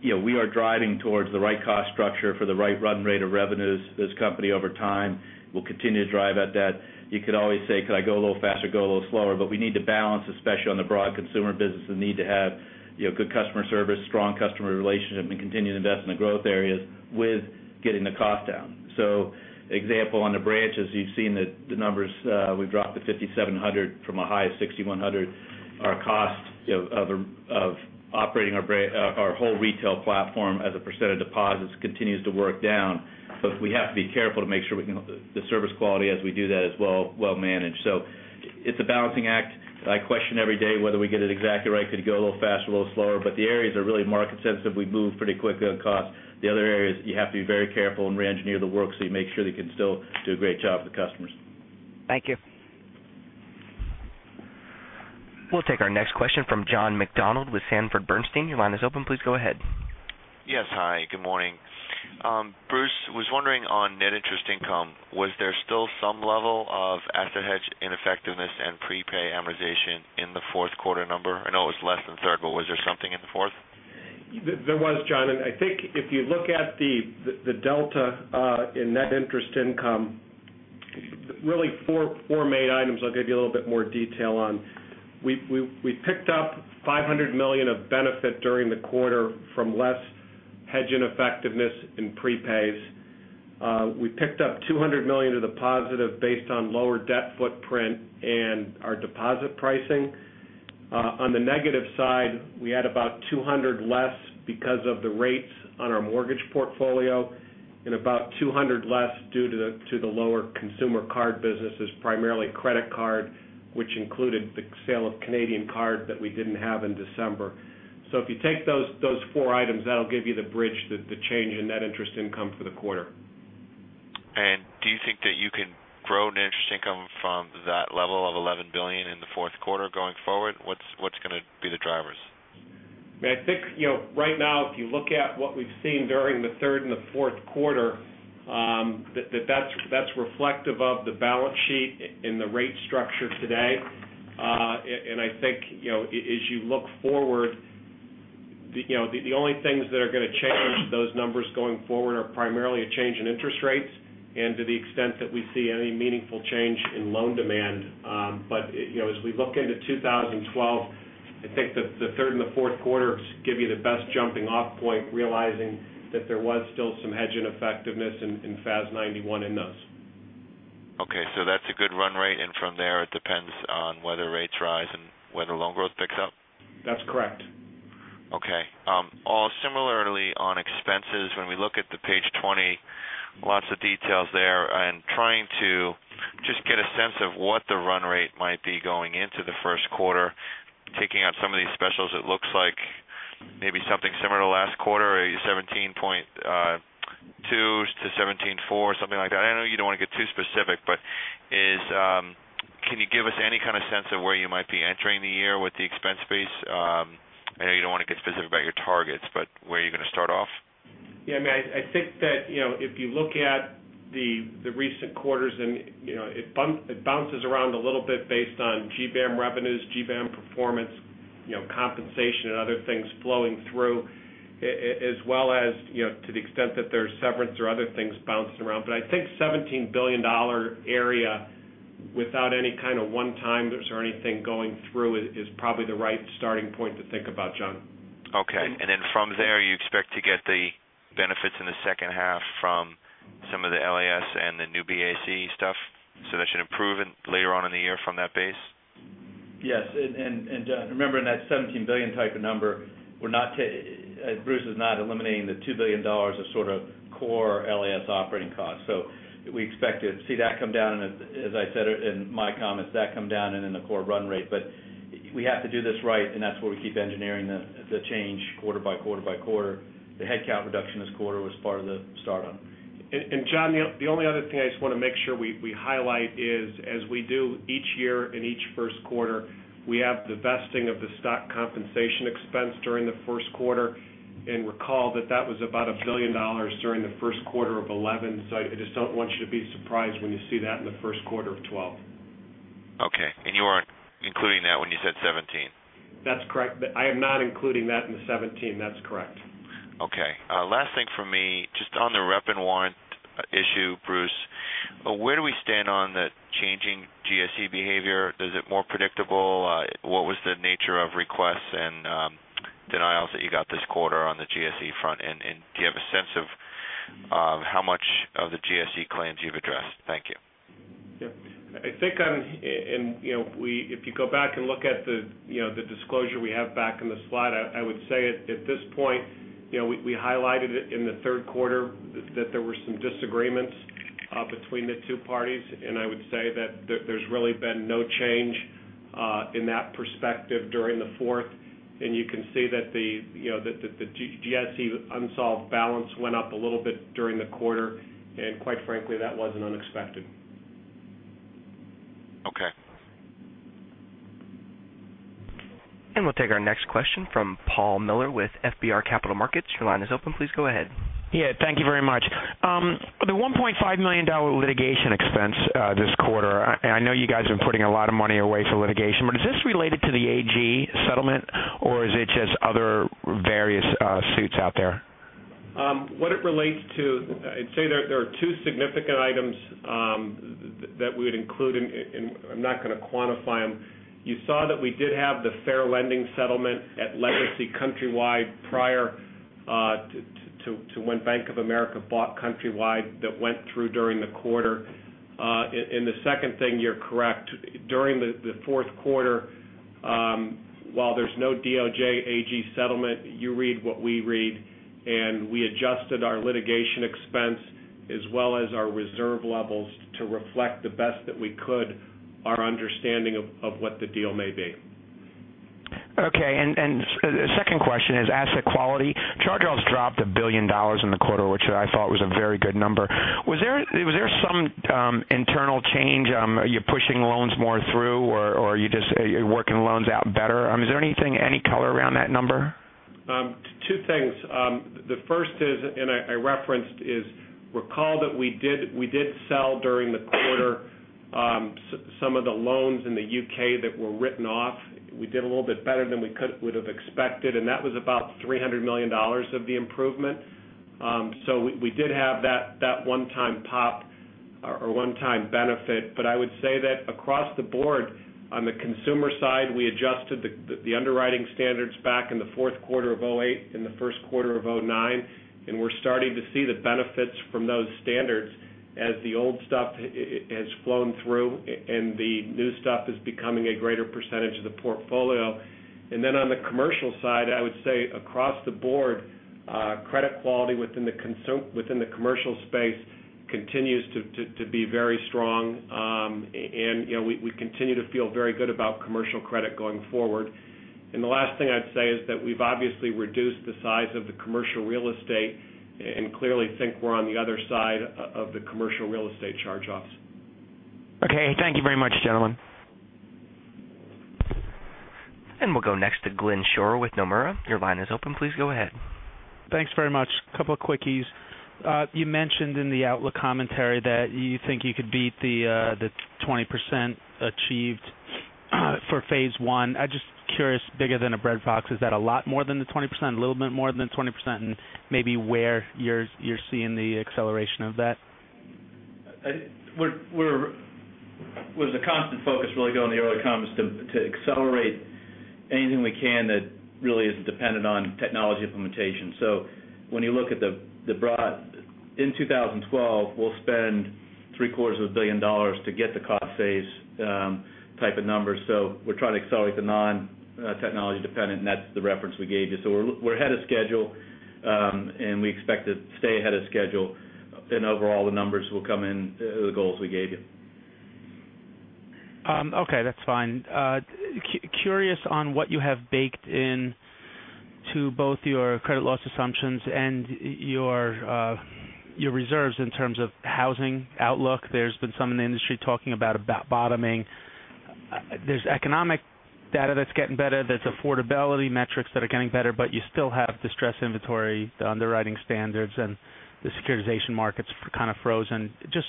C: you know, we are driving towards the right cost structure for the right run rate of revenues. This company over time will continue to drive at that. You could always say, could I go a little faster, go a little slower, but we need to balance, especially on the broad consumer business, the need to have good customer service, strong customer relationship, and continue to invest in the growth areas with getting the cost down. For example, on the branches, you've seen the numbers. We've dropped to 5,700 from a high of 6,100. Our cost of operating our whole retail platform as a percentage of deposits continues to work down. We have to be careful to make sure the service quality as we do that is well managed. It's a balancing act. I question every day whether we get it exactly right. Could you go a little faster, a little slower? The areas are really market sensitive. We move pretty quickly on cost. The other areas, you have to be very careful and re-engineer the work so you make sure that you can still do a great job for the customers.
E: Thank you.
A: We'll take our next question from John McDonald with Sanford Bernstein. Your line is open. Please go ahead.
F: Yes, hi. Good morning. Bruce, was wondering on net interest income. Was there still some level of asset hedge ineffectiveness and prepay amortization in the fourth quarter number? I know it was less than third, but was there something in the fourth?
D: There was, John. I think if you look at the delta in net interest income, really four main items I'll give you a little bit more detail on. We picked up $500 million of benefit during the quarter from less hedge ineffectiveness in prepays. We picked up $200 million to the positive based on lower debt footprint and our deposit pricing. On the negative side, we had about $200 million less because of the rates on our mortgage portfolio and about $200 million less due to the lower consumer card businesses, primarily credit card, which included the sale of Canadian card that we didn't have in December. If you take those four items, that'll give you the bridge, the change in net interest income for the quarter.
F: Do you think that you can grow net interest income from that level of $11 billion in the fourth quarter going forward? What's going to be the drivers?
D: I think, right now, if you look at what we've seen during the third and the fourth quarter, that's reflective of the balance sheet and the rate structure today. I think, as you look forward, the only things that are going to change those numbers going forward are primarily a change in interest rates and to the extent that we see any meaningful change in loan demand. As we look into 2012, I think that the third and the fourth quarters give you the best jumping-off point, realizing that there was still some hedge ineffectiveness in FAS 91 in those.
F: Okay, that's a good run rate. From there, it depends on whether rates rise and whether loan growth picks up.
D: That's correct.
F: Okay. Similarly on expenses, when we look at page 20, lots of details there. Trying to just get a sense of what the run rate might be going into the first quarter, taking out some of these specials, it looks like maybe something similar to last quarter, or $17.2 billion-$17.4 billion, something like that. I know you don't want to get too specific, but can you give us any kind of sense of where you might be entering the year with the expense base? I know you don't want to get specific about your targets, but where are you going to start off?
D: Yeah, I think that if you look at the recent quarters, it bounces around a little bit based on GBM revenues, GBM performance, compensation, and other things flowing through, as well as to the extent that there's severance or other things bouncing around. I think $17 billion area without any kind of one-timers or anything going through is probably the right starting point to think about, John.
F: Okay. From there, you expect to get the benefits in the second half from some of the LAS and the New BAC stuff. That should improve later on in the year from that base?
D: Yes. Remember, in that $17 billion type of number, Bruce is not eliminating the $2 billion of sort of core LAS operating costs. We expect to see that come down, and as I said in my comments, that come down and in the core run rate. We have to do this right, and that's where we keep engineering the change quarter by quarter by quarter. The headcount reduction this quarter was part of the start on.
C: John, the only other thing I just want to make sure we highlight is, as we do each year in each first quarter, we have the vesting of the stock compensation expense during the first quarter. Recall that that was about $1 billion during the first quarter of 2011. I just don't want you to be surprised when you see that in the first quarter of 2012.
F: Okay. You were not including that when you said '17?
C: That's correct. I am not including that in the 2017. That's correct.
F: Okay. Last thing for me, just on the rep and warrant issue, Bruce, where do we stand on the changing GSE behavior? Is it more predictable? What was the nature of requests and denials that you got this quarter on the GSE front? Do you have a sense of how much of the GSE claims you've addressed? Thank you.
C: I think if you go back and look at the disclosure we have back in the slide, I would say at this point, we highlighted it in the third quarter that there were some disagreements between the two parties. I would say that there's really been no change in that perspective during the fourth. You can see that the GSE unsolved balance went up a little bit during the quarter, and quite frankly, that wasn't unexpected.
F: Okay.
A: We will take our next question from Paul Miller with FBR Capital Markets. Your line is open. Please go ahead.
G: Thank you very much. The $1.5 million litigation expense this quarter, and I know you guys have been putting a lot of money away for litigation, but is this related to the AG settlement, or is it just other various suits out there?
D: What it relates to, I'd say there are two significant items that we would include, and I'm not going to quantify them. You saw that we did have the fair lending settlement at Legacy Countrywide prior to when Bank of America bought Countrywide that went through during the quarter. The second thing, you're correct. During the fourth quarter, while there's no DOJ AG settlement, you read what we read, and we adjusted our litigation expense as well as our reserve levels to reflect the best that we could our understanding of what the deal may be.
G: Okay. The second question is asset quality. Charge-offs dropped $1 billion in the quarter, which I thought was a very good number. Was there some internal change? Are you pushing loans more through, or are you just working loans out better? Is there anything, any color around that number?
C: Two things. The first is, and I referenced, is recall that we did sell during the quarter some of the loans in the U.K. that were written off. We did a little bit better than we could have expected, and that was about $300 million of the improvement. We did have that one-time pop or one-time benefit. I would say that across the board, on the consumer side, we adjusted the underwriting standards back in the fourth quarter of 2008 and the first quarter of 2009. We're starting to see the benefits from those standards as the old stuff has flown through and the new stuff is becoming a greater percentage of the portfolio. On the commercial side, I would say across the board, credit quality within the commercial space continues to be very strong. We continue to feel very good about commercial credit going forward. The last thing I'd say is that we've obviously reduced the size of the commercial real estate and clearly think we're on the other side of the commercial real estate charge-offs.
G: Okay. Thank you very much, gentlemen.
A: We will go next to Glenn Schorr with Nomura. Your line is open. Please go ahead.
H: Thanks very much. A couple of quickies. You mentioned in the outlook commentary that you think you could beat the 20% achieved for phase I. I'm just curious, bigger than a bread box, is that a lot more than the 20%, a little bit more than the 20%, and maybe where you're seeing the acceleration of that?
C: We're the constant focus really going to the early comms to accelerate anything we can that really isn't dependent on technology implementation. When you look at the broad in 2012, we'll spend $750 million to get the cost phase type of numbers. We're trying to accelerate the non-technology dependent, and that's the reference we gave you. We're ahead of schedule, and we expect to stay ahead of schedule. Overall, the numbers will come in the goals we gave you.
H: Okay, that's fine. Curious on what you have baked into both your credit loss assumptions and your reserves in terms of housing outlook. There's been some in the industry talking about bottoming. There's economic data that's getting better, there's affordability metrics that are getting better, but you still have distress inventory, the underwriting standards, and the securitization markets kind of frozen. Just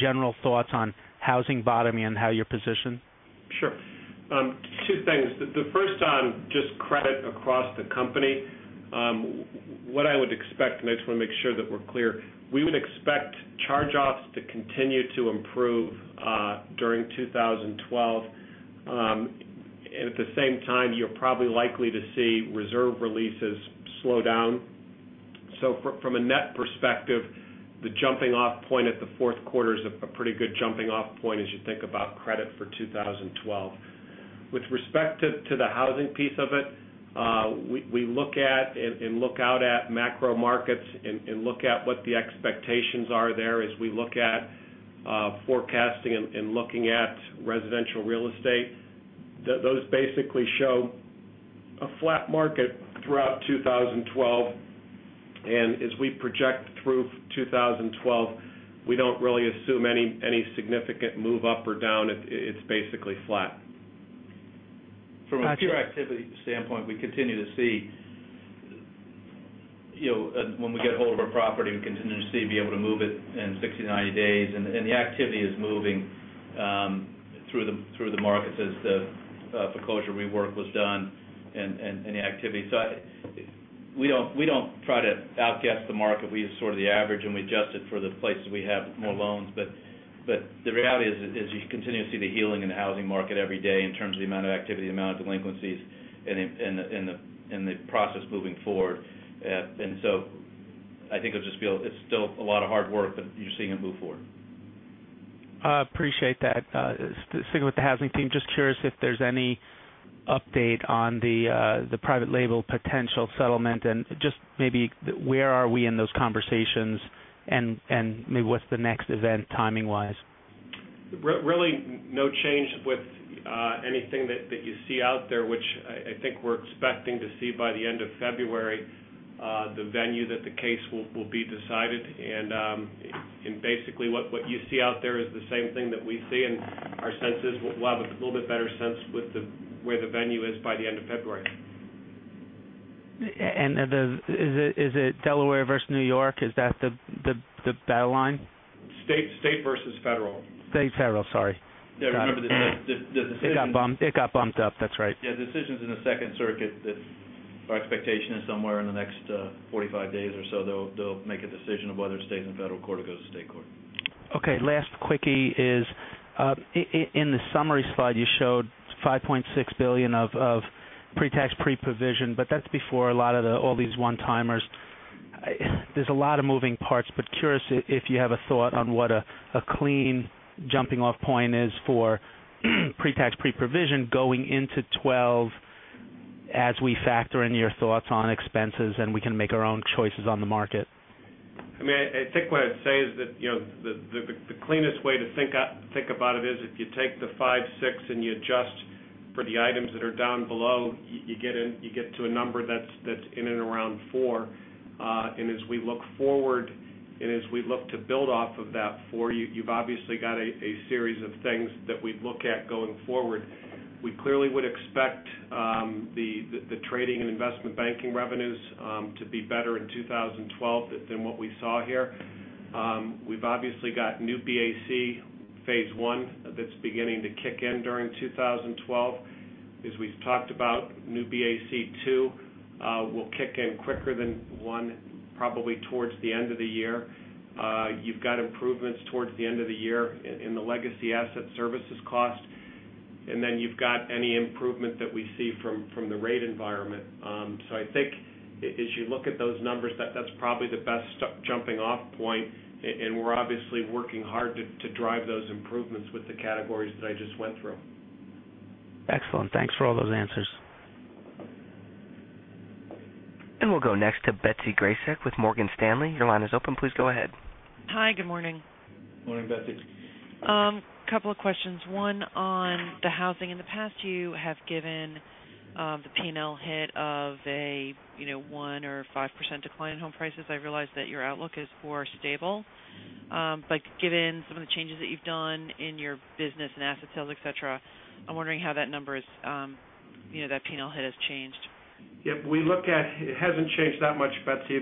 H: general thoughts on housing bottoming and how you're positioned?
D: Sure. Two things. The first on just credit across the company. What I would expect, and I just want to make sure that we're clear, we would expect charge-offs to continue to improve during 2012. At the same time, you're probably likely to see reserve releases slow down. From a net perspective, the jumping-off point at the fourth quarter is a pretty good jumping-off point as you think about credit for 2012. With respect to the housing piece of it, we look at and look out at macro markets and look at what the expectations are there as we look at forecasting and looking at residential real estate. Those basically show a flat market throughout 2012. As we project through 2012, we don't really assume any significant move up or down. It's basically flat. From a true activity standpoint, we continue to see, you know, when we get hold of a property, we continue to be able to move it in 60 days-90 days. The activity is moving through the markets as the foreclosure rework was done and the activity. We don't try to outguess the market. We use sort of the average, and we adjust it for the places we have more loans. The reality is you continue to see the healing in the housing market every day in terms of the amount of activity, the amount of delinquencies, and the process moving forward. I think it's just still a lot of hard work, but you're seeing it move forward.
H: Appreciate that. Sticking with the housing team, just curious if there's any update on the private label potential settlement and just maybe where are we in those conversations and maybe what's the next event timing-wise?
C: Really, no change with anything that you see out there, which I think we're expecting to see by the end of February, the venue that the case will be decided. Basically, what you see out there is the same thing that we see. Our sense is we'll have a little bit better sense with where the venue is by the end of February.
H: Is it Delaware versus New York? Is that the battle line?
C: State versus federal.
H: State-federal, sorry.
C: Yeah, remember the decision.
H: It got bumped up, that's right.
C: Yeah, the decision's in the Second Circuit. Our expectation is somewhere in the next 45 days or so, they'll make a decision of whether it stays in federal court or goes to state court.
H: Okay, last quickie is in the summary slide, you showed $5.6 billion of pre-tax pre-provision, but that's before a lot of the all these one-timers. There's a lot of moving parts, but curious if you have a thought on what a clean jumping-off point is for pre-tax pre-provision going into 2012 as we factor in your thoughts on expenses and we can make our own choices on the market.
C: I mean, I think what I'd say is that the cleanest way to think about it is if you take the five, six, and you adjust for the items that are down below, you get to a number that's in and around four. As we look forward and as we look to build off of that four, you've obviously got a series of things that we'd look at going forward. We clearly would expect the trading and investment banking revenues to be better in 2012 than what we saw here. We've obviously got New BAC phase one that's beginning to kick in during 2012. As we've talked about, New BAC two will kick in quicker than one, probably towards the end of the year. You've got improvements towards the end of the year in the Legacy asset servicing cost. Then you've got any improvement that we see from the rate environment. I think as you look at those numbers, that's probably the best jumping-off point. We're obviously working hard to drive those improvements with the categories that I just went through.
H: Excellent. Thanks for all those answers.
A: We will go next to Betsy Graseck with Morgan Stanley. Your line is open. Please go ahead.
I: Hi, good morning.
C: Morning, Betsy.
I: A couple of questions. One on the housing. In the past, you have given the P&L hit of a, you know, 1% or 5% decline in home prices. I realize that your outlook is more stable. Given some of the changes that you've done in your business and asset sales, etc., I'm wondering how that number is, you know, that P&L hit has changed.
C: Yep. We look at it, it hasn't changed that much, Betsy.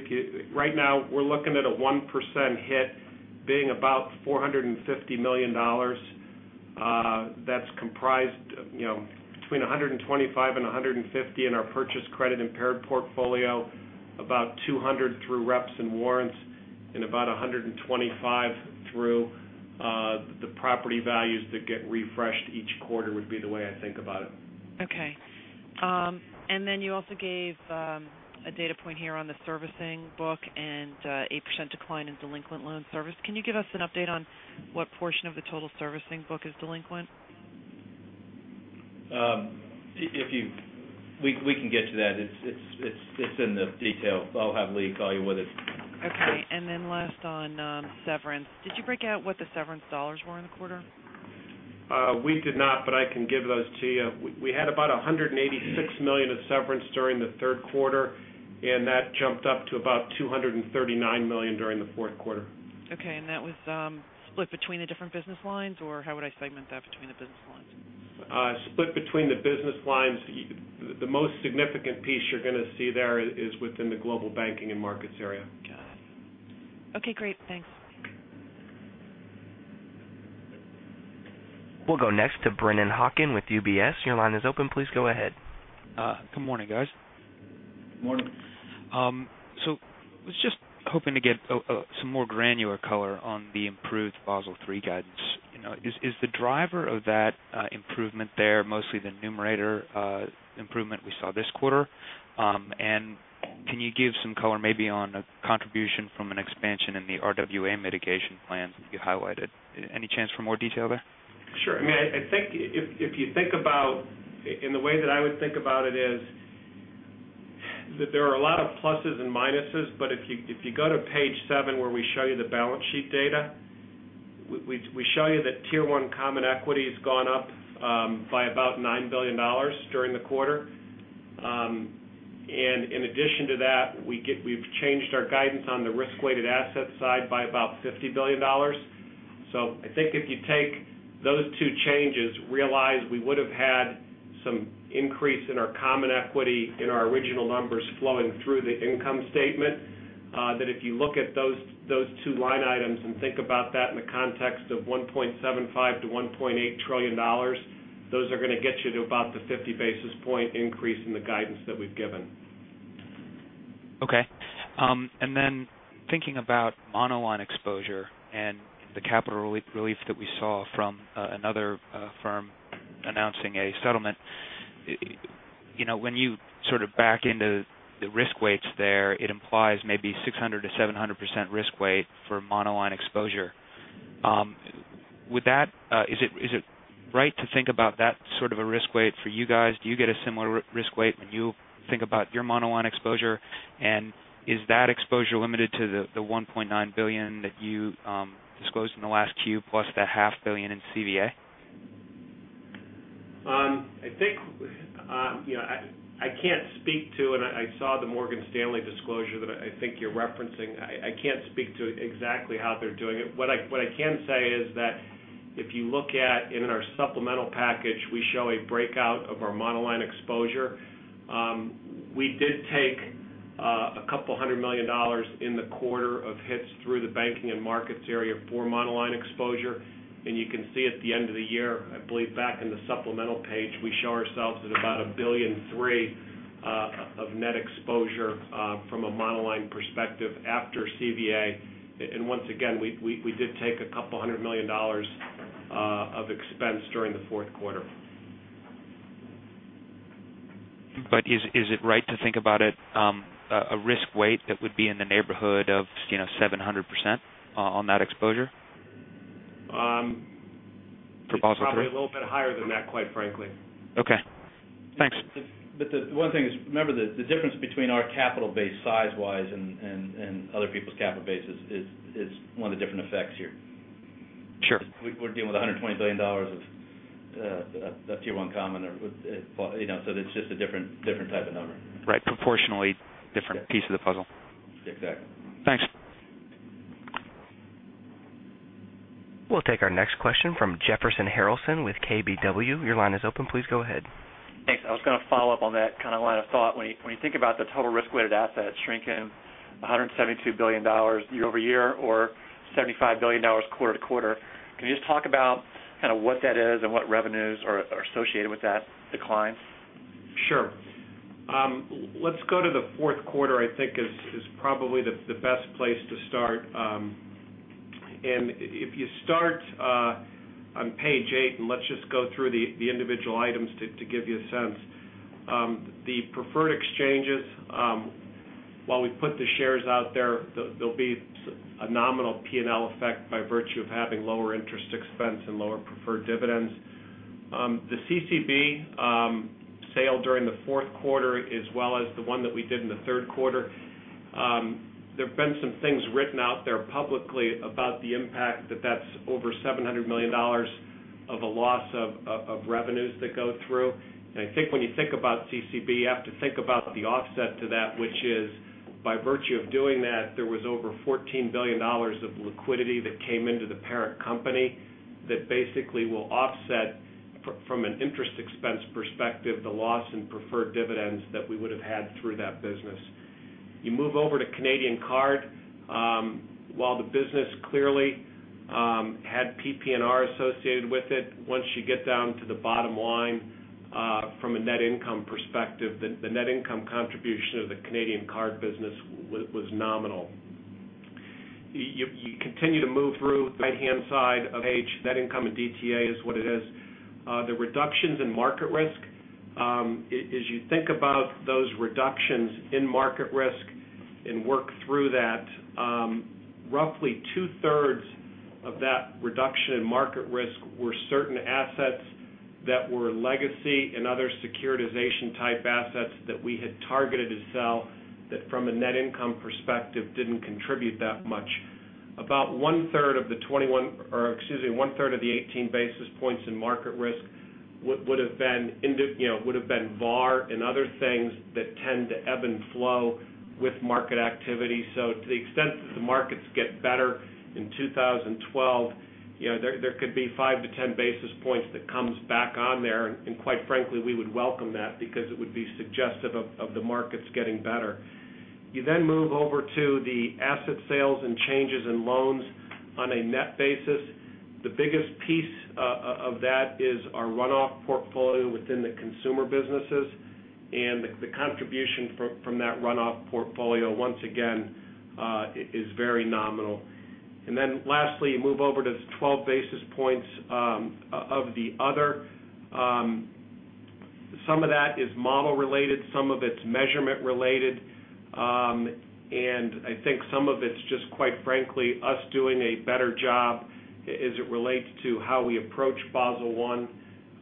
C: Right now, we're looking at a 1% hit being about $450 million. That's comprised, you know, between $125 million and $150 million in our purchase credit impaired portfolio, about $200 million through reps and warrants, and about $125 million through the property values that get refreshed each quarter would be the way I think about it.
I: Okay. You also gave a data point here on the servicing book and 8% decline in delinquent loan service. Can you give us an update on what portion of the total servicing book is delinquent?
C: If you want, we can get to that. It's in the detail. I'll have Lee call you with it.
G: Okay. Last on severance, did you break out what the severance dollars were in the quarter?
C: We did not, but I can give those to you. We had about $186 million of severance during the third quarter, and that jumped up to about $239 million during the fourth quarter.
G: Okay. Was that split between the different business lines, or how would I segment that between the business lines?
D: Split between the business lines. The most significant piece you're going to see there is within the Global Banking and Markets area.
I: Got it. Okay, great. Thanks.
A: We'll go next to Brennan Hawken with UBS. Your line is open. Please go ahead.
J: Good morning, guys.
C: Good morning.
J: I was just hoping to get some more granular color on the improved Basel III guidance. Is the driver of that improvement there mostly the numerator improvement we saw this quarter? Can you give some color maybe on a contribution from an expansion in the RWA mitigation plans that you highlighted? Any chance for more detail there?
C: Sure. I mean, I think if you think about, and the way that I would think about it is that there are a lot of pluses and minuses. If you go to page seven where we show you the balance sheet data, we show you that Tier 1 Common Equity has gone up by about $9 billion during the quarter. In addition to that, we've changed our guidance on the risk-weighted asset side by about $50 billion. I think if you take those two changes, realize we would have had some increase in our common equity in our original numbers flowing through the income statement, that if you look at those two line items and think about that in the context of $1.75 trillion-$1.8 trillion, those are going to get you to about the 50 basis point increase in the guidance that we've given.
J: Okay. Thinking about monoline exposure and the capital relief that we saw from another firm announcing a settlement, when you sort of back into the risk weights there, it implies maybe 600%-700% risk weight for monoline exposure. Is it right to think about that sort of a risk weight for you guys? Do you get a similar risk weight when you think about your monoline exposure? Is that exposure limited to the $1.9 billion that you disclosed in the last Q plus that half billion in CVA?
C: I think, you know, I can't speak to, and I saw the Morgan Stanley disclosure that I think you're referencing. I can't speak to exactly how they're doing it. What I can say is that if you look at, in our supplemental package, we show a breakout of our monoline exposure. We did take a couple hundred million dollars in the quarter of hits through the Global Banking and Markets area for monoline exposure. You can see at the end of the year, I believe back in the supplemental page, we show ourselves at about $1.3 billion of net exposure from a monoline perspective after CVA. Once again, we did take a couple hundred million dollars of expense during the fourth quarter.
J: Is it right to think about it a risk weight that would be in the neighborhood of, you know, 700% on that exposure?
C: Probably a little bit higher than that, quite frankly.
J: Okay. Thanks.
D: Remember the difference between our capital base size-wise and other people's capital base is one of the different effects here.
J: Sure.
D: We're dealing with $120 billion of Tier 1 Common, or, you know, so it's just a different type of number.
J: Right. Proportionally different piece of the puzzle.
D: Exactly.
J: Thanks.
A: We'll take our next question from Jefferson Harrelson with KBW Your line is open. Please go ahead.
K: Thanks. I was going to follow up on that kind of line of thought. When you think about the total risk-weighted assets shrinking $172 billion year-over-year or $75 billion quarter-to-quarter, can you just talk about what that is and what revenues are associated with that decline?
C: Sure. Let's go to the fourth quarter, I think, is probably the best place to start. If you start on page eight, let's just go through the individual items to give you a sense. The preferred exchanges, while we put the shares out there, there'll be a nominal P&L effect by virtue of having lower interest expense and lower preferred dividends. The CCB sale during the fourth quarter, as well as the one that we did in the third quarter, there have been some things written out there publicly about the impact that that's over $700. of a loss of revenues that go through. I think when you think about CCB, you have to think about the offset to that, which is by virtue of doing that, there was over $14 billion of liquidity that came into the parent company that basically will offset from an interest expense perspective the loss in preferred dividends that we would have had through that business. You move over to Canadian card, while the business clearly had PP&R associated with it, once you get down to the bottom line, from a net income perspective, the net income contribution of the Canadian card business was nominal. You continue to move through the right-hand side of page, net income at DTA is what it is. The reductions in market risk, as you think about those reductions in market risk and work through that, roughly two-thirds of that reduction in market risk were certain assets that were legacy and other securitization type assets that we had targeted to sell that from a net income perspective didn't contribute that much. About 1/3of the 21 basis points, or excuse me, 1/3 of the 18 basis points in market risk would have been, you know, would have been VAR and other things that tend to ebb and flow with market activity. To the extent that the markets get better in 2012, there could be 5 basis points-10 basis points that come back on there. Quite frankly, we would welcome that because it would be suggestive of the markets getting better. You then move over to the asset sales and changes in loans on a net basis. The biggest piece of that is our runoff portfolio within the consumer businesses. The contribution from that runoff portfolio, once again, is very nominal. Lastly, you move over to 12 basis points of the other. Some of that is model related, some of it's measurement related, and I think some of it's just quite frankly us doing a better job as it relates to how we approach Basel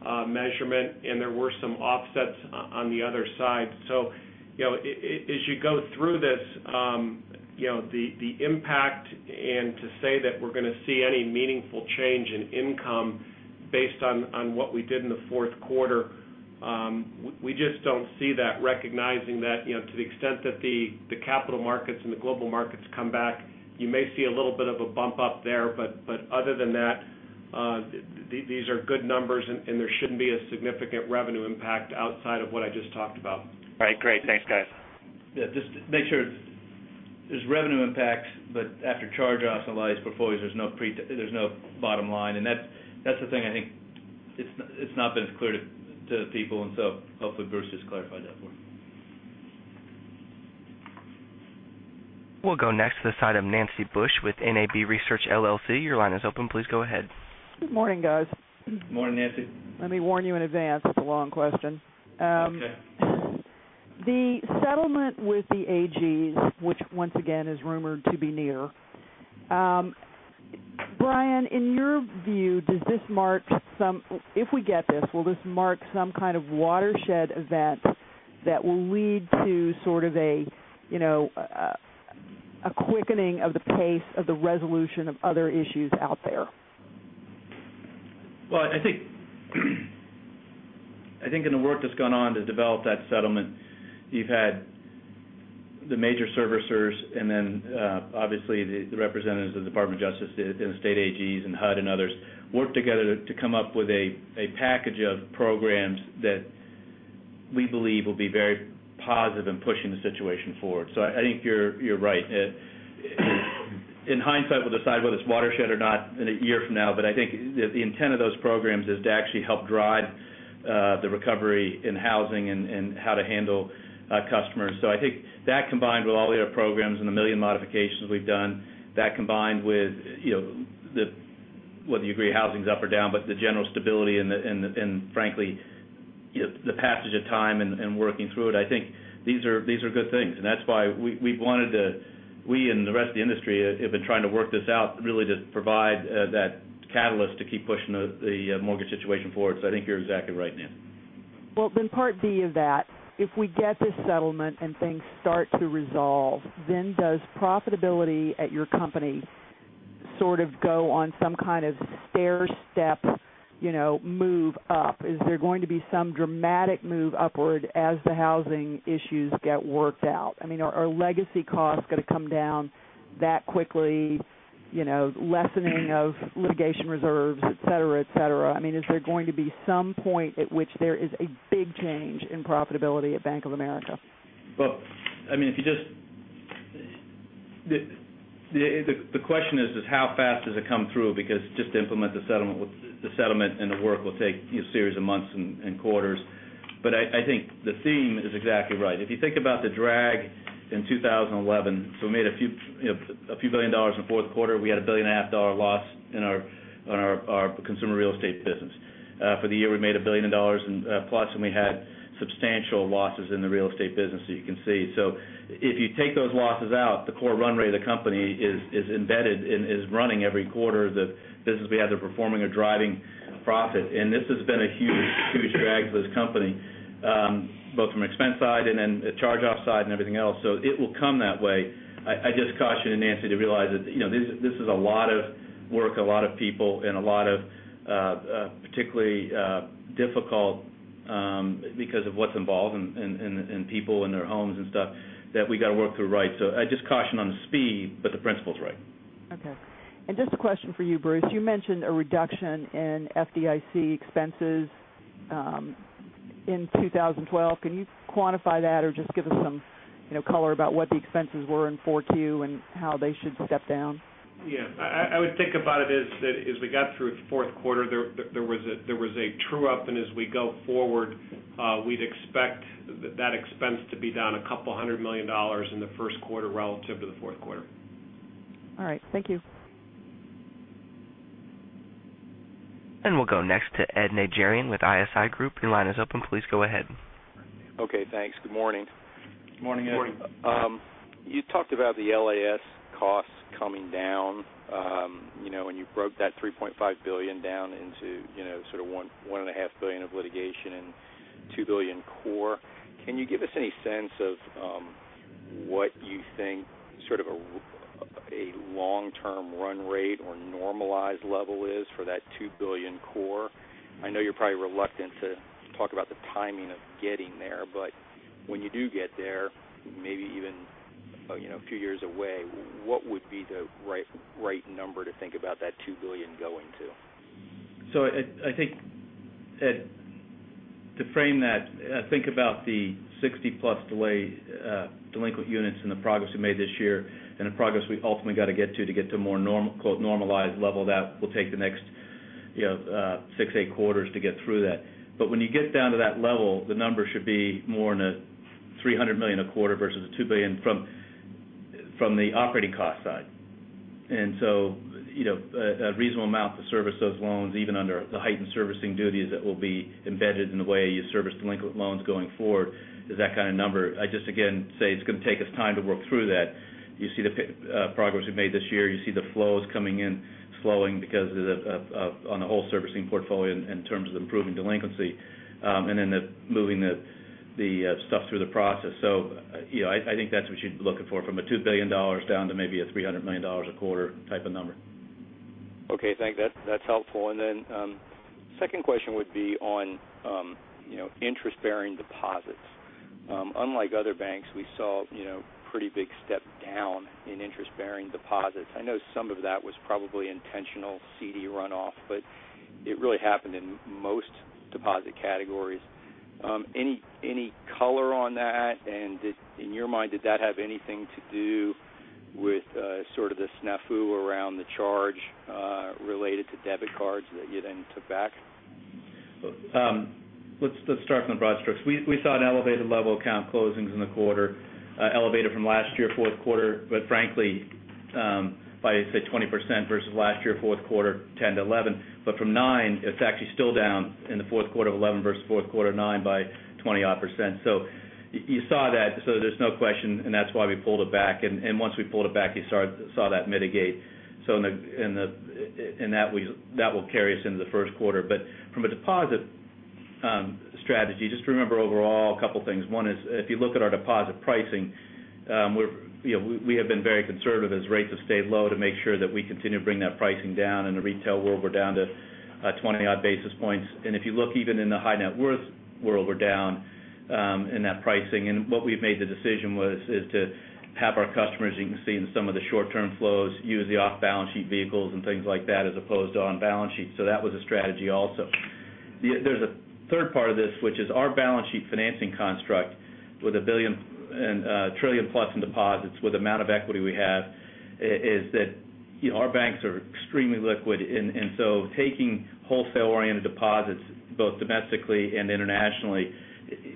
C: I measurement. There were some offsets on the other side. As you go through this, the impact and to say that we're going to see any meaningful change in income based on what we did in the fourth quarter, we just don't see that recognizing that to the extent that the capital markets and the global markets come back, you may see a little bit of a bump up there. Other than that, these are good numbers and there shouldn't be a significant revenue impact outside of what I just talked about.
K: Right. Great. Thanks, guys. Yeah, just make sure there's revenue impacts, but after charge-off a lot of these portfolios, there's no bottom line. That's the thing I think it's not been as clear to people. Hopefully Bruce just clarified that for you.
A: We'll go next to Nancy Bush with NAB Research, LLC. Your line is open. Please go ahead.
L: Good morning, guys.
C: Morning, Nancy.
L: Let me warn you in advance, it's a long question. The settlement with the AGs, which once again is rumored to be near. Brian, in your view, does this mark some, if we get this, will this mark some kind of watershed event that will lead to sort of a, you know, a quickening of the pace of the resolution of other issues out there?
C: I think in the work that's gone on to develop that settlement, you've had the major servicers and then obviously the representatives of the Department of Justice and the state AGs and HUD and others work together to come up with a package of programs that we believe will be very positive in pushing the situation forward. I think you're right. In hindsight, we'll decide whether it's watershed or not in a year from now, but I think the intent of those programs is to actually help drive the recovery in housing and how to handle customers. I think that combined with all the other programs and the million modifications we've done, that combined with, you know, whether you agree housing's up or down, but the general stability and frankly, you know, the passage of time and working through it, I think these are good things. That's why we've wanted to, we and the rest of the industry have been trying to work this out really to provide that catalyst to keep pushing the mortgage situation forward. I think you're exactly right, Nan.
L: If we get this settlement and things start to resolve, does profitability at your company sort of go on some kind of stair step, you know, move up? Is there going to be some dramatic move upward as the housing issues get worked out? I mean, are legacy costs going to come down that quickly, you know, lessening of litigation reserves, et cetera, et cetera? I mean, is there going to be some point at which there is a big change in profitability at Bank of America?
D: I mean, if you just, the question is, is how fast does it come through? Just to implement the settlement and the work will take a series of months and quarters. I think the theme is exactly right. If you think about the drag in 2011, we made a few billion dollars in the fourth quarter, we had a $1.5 billion loss in our consumer real estate business. For the year, we made $1 billion in plus and we had substantial losses in the real estate business, as you can see. If you take those losses out, the core run rate of the company is embedded and is running every quarter. The business we had, they're performing or driving profit. This has been a huge drag for this company, both from an expense side and then a charge-off side and everything else. It will come that way. I just cautioned Nancy to realize that this is a lot of work, a lot of people, and a lot of particularly difficult because of what's involved in people and their homes and stuff that we've got to work through, right? I just caution on the speed, but the principle's right.
L: Okay. Just a question for you, Bruce, you mentioned a reduction in FDIC expenses in 2012. Can you quantify that or give us some color about what the expenses were in 4Q and how they should step down?
D: Yeah, I would think about it as that as we got through the fourth quarter, there was a true up, and as we go forward, we'd expect that expense to be down a couple hundred million dollars in the first quarter relative to the fourth quarter.
L: All right, thank you.
A: We will go next to Ed Najarian with ISI Group. Your line is open. Please go ahead.
M: Okay, thanks. Good morning.
C: Morning, Ed.
M: You talked about the LAS costs coming down, and you broke that $3.5 billion down into, you know, sort of $1.5 billion of litigation and $2 billion core. Can you give us any sense of what you think sort of a long-term run rate or normalized level is for that $2 billion core? I know you're probably reluctant to talk about the timing of getting there, but when you do get there, maybe even, you know, two years away, what would be the right number to think about that $2 billion going to?
C: I think, Ed, to frame that, I think about the 60+ delinquent units and the progress we made this year and the progress we ultimately got to get to a more normal, quote, normalized level. That will take the next, you know, six, eight quarters to get through that. When you get down to that level, the number should be more in a $300 million a quarter versus a $2 billion from the operating cost side. A reasonable amount to service those loans, even under the heightened servicing duties that will be embedded in the way you service delinquent loans going forward, is that kind of number. I just again say it's going to take us time to work through that. You see the progress we made this year. You see the flows coming in, flowing because of the whole servicing portfolio in terms of improving delinquency and then moving the stuff through the process. I think that's what you're looking for from a $2 billion down to maybe a $300 million a quarter type of number.
M: Okay, thanks, that's helpful. The second question would be on, you know, interest-bearing deposits. Unlike other banks, we saw, you know, a pretty big step down in interest-bearing deposits. I know some of that was probably intentional CD runoff, but it really happened in most deposit categories. Any color on that? In your mind, did that have anything to do with sort of the snafu around the charge related to debit cards that you then took back?
D: Let's start from the broad strokes. We saw an elevated level of account closings in the quarter, elevated from last year fourth quarter, but frankly, by say 20% versus last year fourth quarter 10%-11%, but from nine, it's actually still down in the fourth quarter of 2011 versus fourth quarter of 2009 by 20% odd. You saw that, so there's no question, that's why we pulled it back. Once we pulled it back, you saw that mitigate. That will carry us into the first quarter. From a deposit strategy, just remember overall a couple of things. One is if you look at our deposit pricing, we have been very conservative as rates have stayed low to make sure that we continue to bring that pricing down. In the retail world, we're down to 20% odd basis points. If you look even in the high net worth world, we're down in that pricing. What we've made the decision was to have our customers, you can see in some of the short-term flows, use the off-balance sheet vehicles and things like that as opposed to on-balance sheets. That was a strategy also. There's a third part of this, which is our balance sheet financing construct with $1 billion and $1 trillion+ in deposits with the amount of equity we have is that our banks are extremely liquid. Taking wholesale-oriented deposits, both domestically and internationally,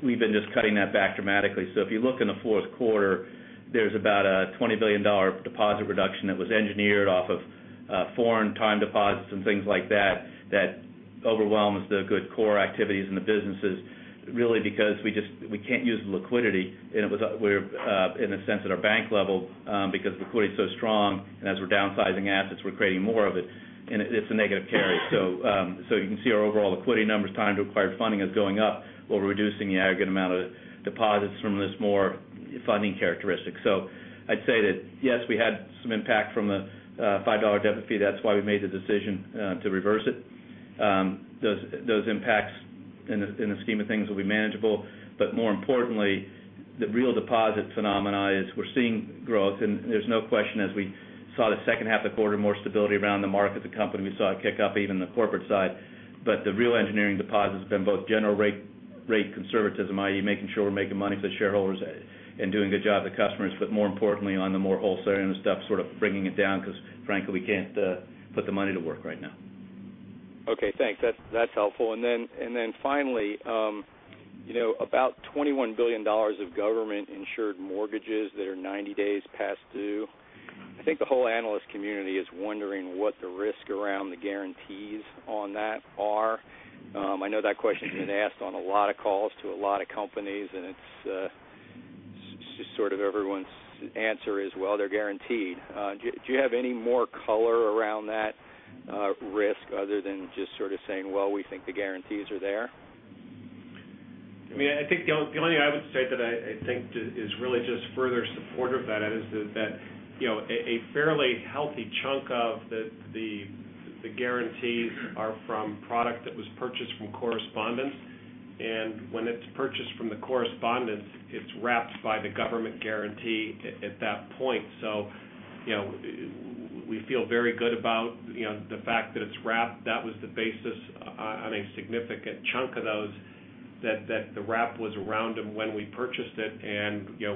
D: we've been just cutting that back dramatically. If you look in the fourth quarter, there's about a $20 billion deposit reduction that was engineered off of foreign time deposits and things like that that overwhelms the good core activities in the businesses really because we just, we can't use the liquidity. It was, we're in a sense at our bank level because liquidity is so strong. As we're downsizing assets, we're creating more of it. It's a negative carry. You can see our overall liquidity numbers, time to acquire funding is going up while we're reducing the aggregate amount of deposits from this more funding characteristic. I'd say that yes, we had some impact from the $5 debit fee. That's why we made the decision to reverse it. Those impacts in the scheme of things will be manageable. More importantly, the real deposit phenomena is we're seeing growth. There's no question as we saw the second half of the quarter, more stability around the market, the company we saw it kick up even the corporate side. The real engineering deposits have been both general rate conservatism, i.e. making sure we're making money for the shareholders and doing a good job to customers, but more importantly on the more wholesale stuff, sort of bringing it down because frankly, we can't put the money to work right now.
M: Okay, thanks. That's helpful. Finally, you know, about $21 billion of government insured mortgages that are 90 days past due. I think the whole analyst community is wondering what the risk around the guarantees on that are. I know that question has been asked on a lot of calls to a lot of companies and it's just sort of everyone's answer is, they're guaranteed. Do you have any more color around that risk other than just sort of saying, we think the guarantees are there?
D: I think the only thing I would say that is really just further supportive of that is that a fairly healthy chunk of the guarantees are from product that was purchased from correspondence. When it's purchased from the correspondence, it's wrapped by the government guarantee at that point. We feel very good about the fact that it's wrapped. That was the basis on a significant chunk of those, that the wrap was around them when we purchased it.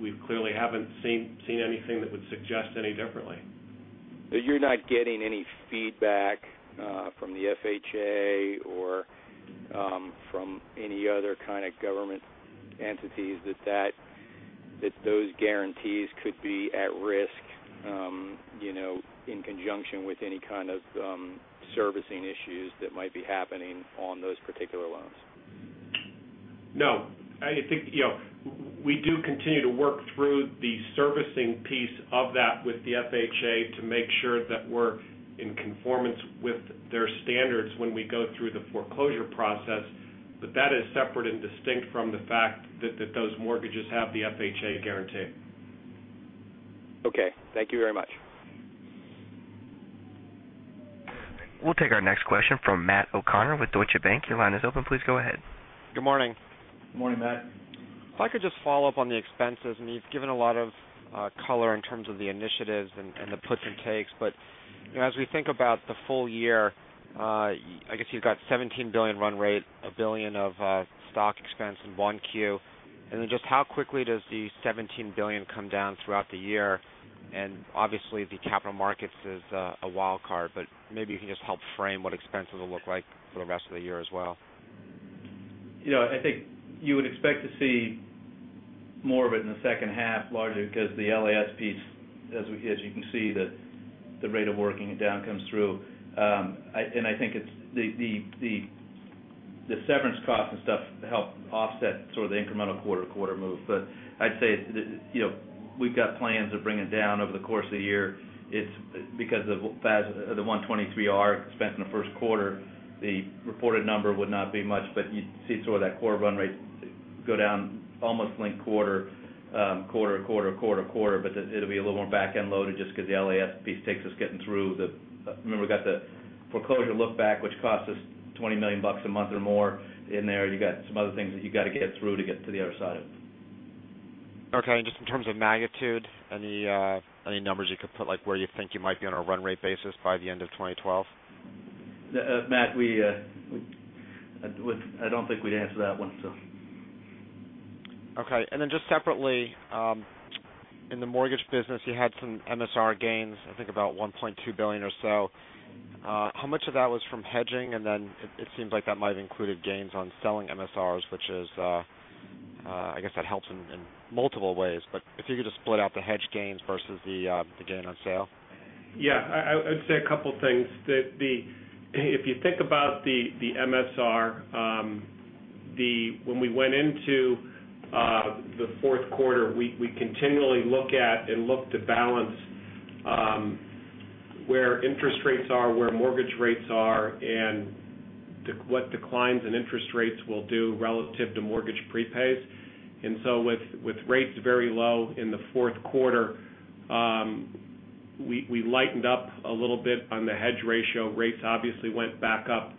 D: We clearly haven't seen anything that would suggest any differently.
M: You're not getting any feedback from the FHA or from any other kind of government entities that those guarantees could be at risk, in conjunction with any kind of servicing issues that might be happening on those particular loans?
D: No, I think we do continue to work through the servicing piece of that with the FHA to make sure that we're in conformance with their standards when we go through the foreclosure process. That is separate and distinct from the fact that those mortgages have the FHA guarantee.
M: Okay, thank you very much.
A: We'll take our next question from Matt O'Connor with Deutsche Bank. Your line is open. Please go ahead.
N: Good morning.
C: Morning, Matt.
N: If I could just follow up on the expenses, you've given a lot of color in terms of the initiatives and the puts and takes. As we think about the full year, I guess you've got $17 billion run rate, $1 billion of stock expense in Q1, and then just how quickly does the $17 billion come down throughout the year? Obviously the capital markets is a wild card, but maybe you can just help frame what expenses will look like for the rest of the year as well.
C: You know, I think you would expect to see more of it in the second half largely because the Legacy asset servicing piece, as we can see, the rate of working it down comes through. I think it's the severance cost and stuff to help offset sort of the incremental quarter-to-quarter move. I'd say we've got plans to bring it down over the course of the year. It's because of the 123R expense in the first quarter, the reported number would not be much, but you'd see sort of that core run rate go down almost link quarter, quarter, quarter, quarter, quarter, but it'll be a little more back-end loaded just because the Legacy asset servicing piece takes us getting through the, remember we got the foreclosure look back, which costs us $20 million a month or more in there. You got some other things that you got to get through to get to the other side of it.
N: Okay. In terms of magnitude, any numbers you could put, like where you think you might be on a run rate basis by the end of 2012?
C: Matt, I don't think we'd answer that one too.
N: Okay. In the mortgage business, you had some MSR gains, I think about $1.2 billion or so. How much of that was from hedging? It seems like that might have included gains on selling MSRs, which helps in multiple ways. If you could just split out the hedge gains versus the gain on sale.
D: Yeah, I'd say a couple of things. If you think about the MSR, when we went into the fourth quarter, we continually look at and look to balance where interest rates are, where mortgage rates are, and what declines in interest rates will do relative to mortgage prepays. With rates very low in the fourth quarter, we lightened up a little bit on the hedge ratio. Rates obviously went back up,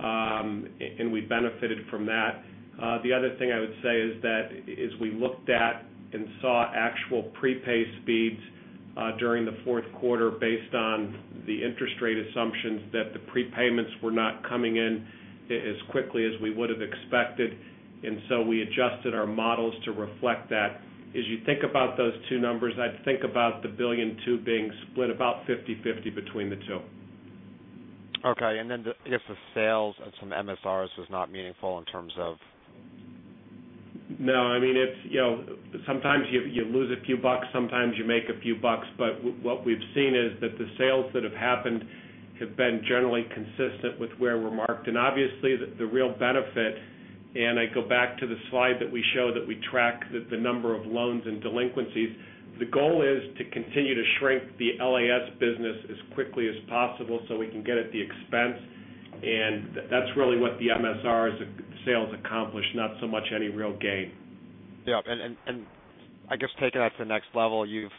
D: and we benefited from that. The other thing I would say is that as we looked at and saw actual prepay speeds during the fourth quarter based on the interest rate assumptions, the prepayments were not coming in as quickly as we would have expected. We adjusted our models to reflect that. As you think about those two numbers, I'd think about the $1.2 billion being split about 50/50 between the two.
N: Okay. I guess the sales of some MSRs was not meaningful in terms of.
D: No, I mean, sometimes you lose a few bucks, sometimes you make a few bucks, but what we've seen is that the sales that have happened have been generally consistent with where we're marked. Obviously, the real benefit, and I go back to the slide that we show that we track the number of loans and delinquencies, the goal is to continue to shrink the LAS business as quickly as possible so we can get at the expense. That's really what the MSR sales accomplish, not so much any real gain.
N: I guess taking that to the next level, you've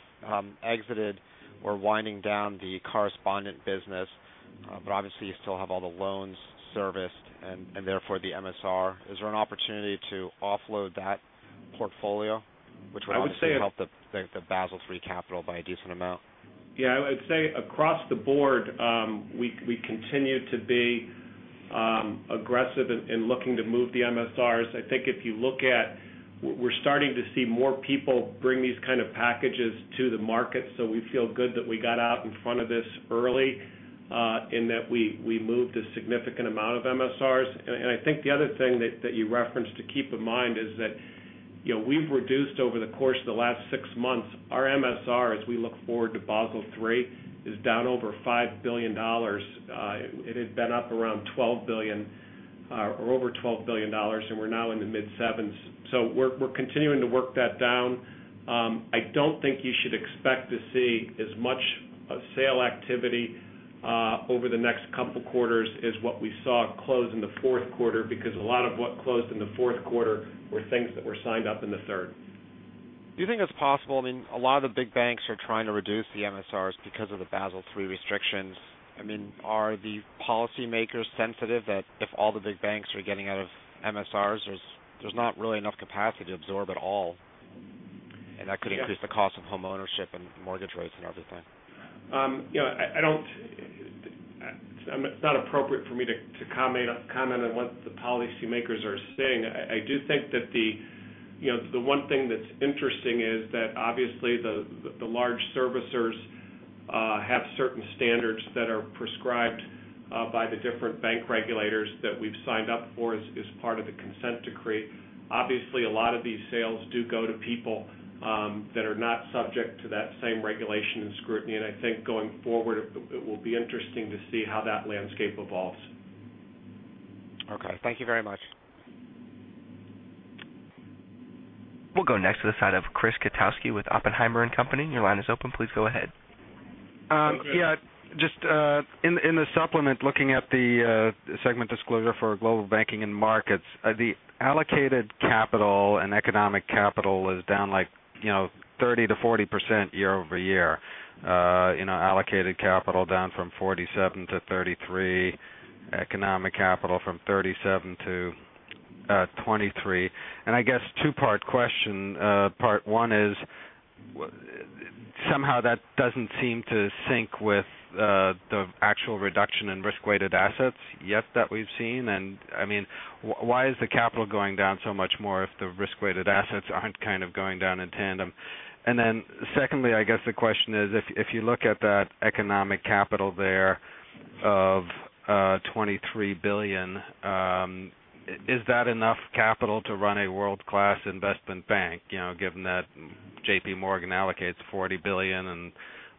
N: exited or are winding down the correspondent business, but obviously you still have all the loans serviced and therefore the MSR. Is there an opportunity to offload that portfolio, which would help the Basel III capital by a decent amount?
D: Yeah, I'd say across the board, we continue to be aggressive in looking to move the MSRs. I think if you look at it, we're starting to see more people bring these kinds of packages to the market. We feel good that we got out in front of this early in that we moved a significant amount of MSRs. The other thing that you referenced to keep in mind is that we've reduced, over the course of the last six months, our MSR as we look forward to Basel III, is down over $5 billion. It had been up around $12 billion or over $12 billion, and we're now in the mid sevens. We're continuing to work that down. I don't think you should expect to see as much sale activity over the next couple of quarters as what we saw close in the fourth quarter because a lot of what closed in the fourth quarter were things that were signed up in the third.
N: Do you think it's possible? I mean, a lot of the big banks are trying to reduce the MSRs because of the Basel III restrictions. I mean, are the policymakers sensitive that if all the big banks are getting out of MSRs, there's not really enough capacity to absorb it all? That could increase the cost of home ownership and mortgage rates and everything.
D: I don't think it's appropriate for me to comment on what the policymakers are saying. I do think that the one thing that's interesting is that obviously the large servicers have certain standards that are prescribed by the different bank regulators that we've signed up for as part of the consent decree. Obviously, a lot of these sales do go to people that are not subject to that same regulation and scrutiny. I think going forward, it will be interesting to see how that landscape evolves.
N: Okay, thank you very much.
A: We'll go next to the side of Chris Kotowski with Oppenheimer & Company. Your line is open. Please go ahead.
O: Yeah, just in the supplement, looking at the segment disclosure for Global Banking and Markets, the allocated capital and economic capital is down like, you know, 30% to 40% year over year. Allocated capital down from $47 billion to $33 billion, economic capital from $37 billion to $23 billion. I guess two-part question. Part one is somehow that doesn't seem to sync with the actual reduction in risk-weighted assets yet that we've seen. I mean, why is the capital going down so much more if the risk-weighted assets aren't kind of going down in tandem? Secondly, I guess the question is if you look at that economic capital there of $23 billion, is that enough capital to run a world-class investment bank, you know, given that JPMorgan allocates $40 billion and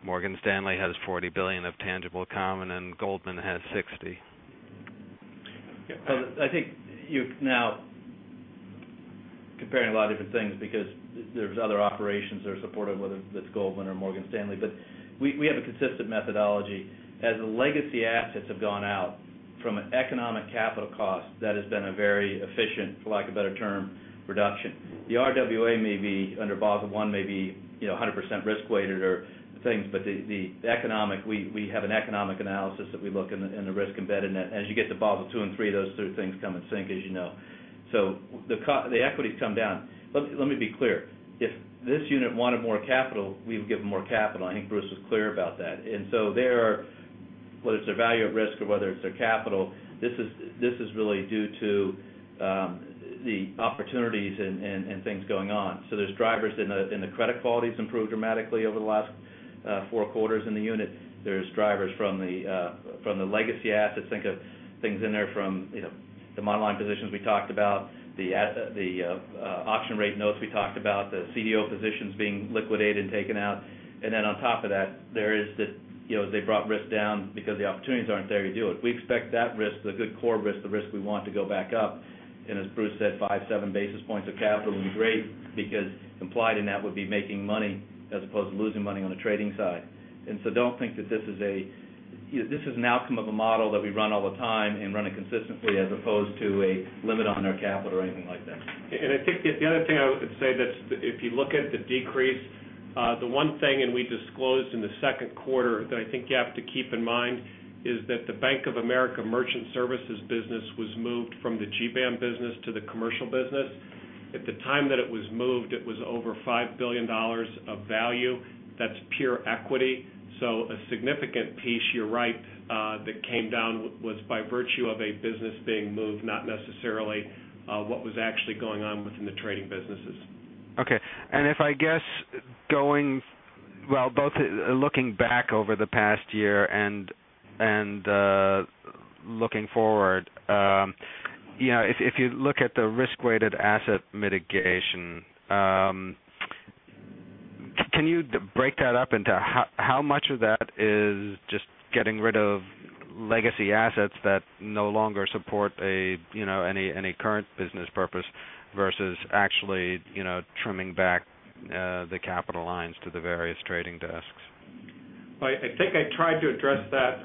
O: Morgan Stanley has $40 billion of tangible common and Goldman has $60 billion?
C: I think you're now comparing a lot of different things because there's other operations that are supportive, whether that's Goldman or Morgan Stanley, but we have a consistent methodology. As the legacy assets have gone out from an economic capital cost, that has been a very efficient, for lack of a better term, reduction. The RWA may be under Basel I, may be, you know, 100% risk-weighted or things, but we have an economic analysis that we look in the risk embedded in that. As you get to Basel II and III, those three things come in sync, as you know. The equities come down. Let me be clear. If this unit wanted more capital, we would give them more capital. I think Bruce was clear about that. Whether it's their value at risk or whether it's their capital, this is really due to the opportunities and things going on. There are drivers in the credit quality that's improved dramatically over the last four quarters in the unit. There are drivers from the legacy assets, think of things in there from, you know, the model line positions we talked about, the auction rate notes we talked about, the CDO positions being liquidated and taken out. On top of that, as they brought risk down because the opportunities aren't there to do it, we expect that risk, the good core risk, the risk we want, to go back up. As Bruce said, five, seven basis points of capital would be great because implied in that would be making money as opposed to losing money on the trading side. Don't think that this is an outcome of a model that we run all the time and run it consistently as opposed to a limit on our capital or anything like that.
D: If you look at the decrease, the one thing we disclosed in the second quarter that you have to keep in mind is that the Bank of America Merchant Services business was moved from the Global Banking and Markets business to the commercial business. At the time that it was moved, it was over $5 billion of value. That's pure equity. A significant piece, you're right, that came down was by virtue of a business being moved, not necessarily what was actually going on within the trading businesses.
O: Okay. If I guess going, both looking back over the past year and looking forward, you know, if you look at the risk-weighted asset mitigation, can you break that up into how much of that is just getting rid of legacy assets that no longer support a, you know, any current business purpose versus actually, you know, trimming back the capital lines to the various trading desks?
D: I think I tried to address that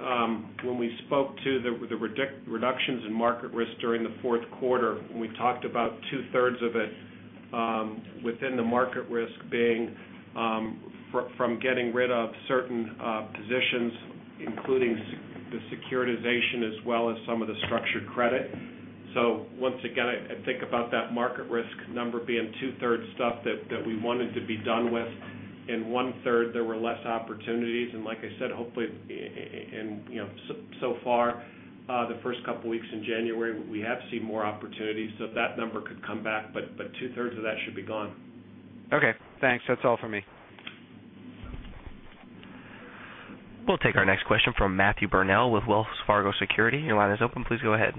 D: when we spoke to the reductions in market risk during the fourth quarter, when we talked about 2/3 of it within the market risk being from getting rid of certain positions, including the securitization as well as some of the structured credit. Once again, I think about that market risk number being 2/3 stuff that we wanted to be done with. And 1/3, there were less opportunities. Like I said, hopefully, and you know, so far, the first couple of weeks in January, we have seen more opportunities. If that number could come back, but 2/3 of that should be gone.
O: Okay, thanks. That's all for me.
A: We'll take our next question from Matthew Burnell with Wells Fargo Securities. Your line is open. Please go ahead.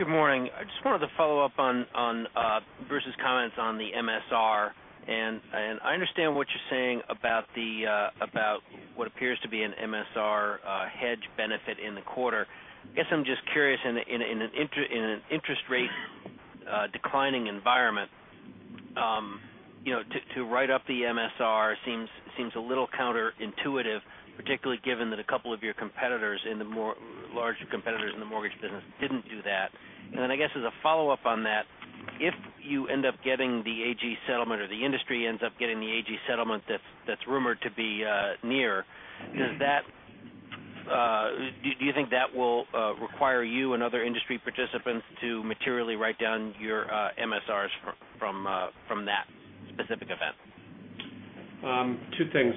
P: Good morning. I just wanted to follow up on Bruce's comments on the MSR. I understand what you're saying about what appears to be an MSR hedge benefit in the quarter. I'm just curious, in an interest rate declining environment, to write up the MSR seems a little counterintuitive, particularly given that a couple of your competitors and the more larger competitors in the mortgage business didn't do that. As a follow-up on that, if you end up getting the AG settlement or the industry ends up getting the AG settlement that's rumored to be near, do you think that will require you and other industry participants to materially write down your MSRs from that specific event?
D: Two things.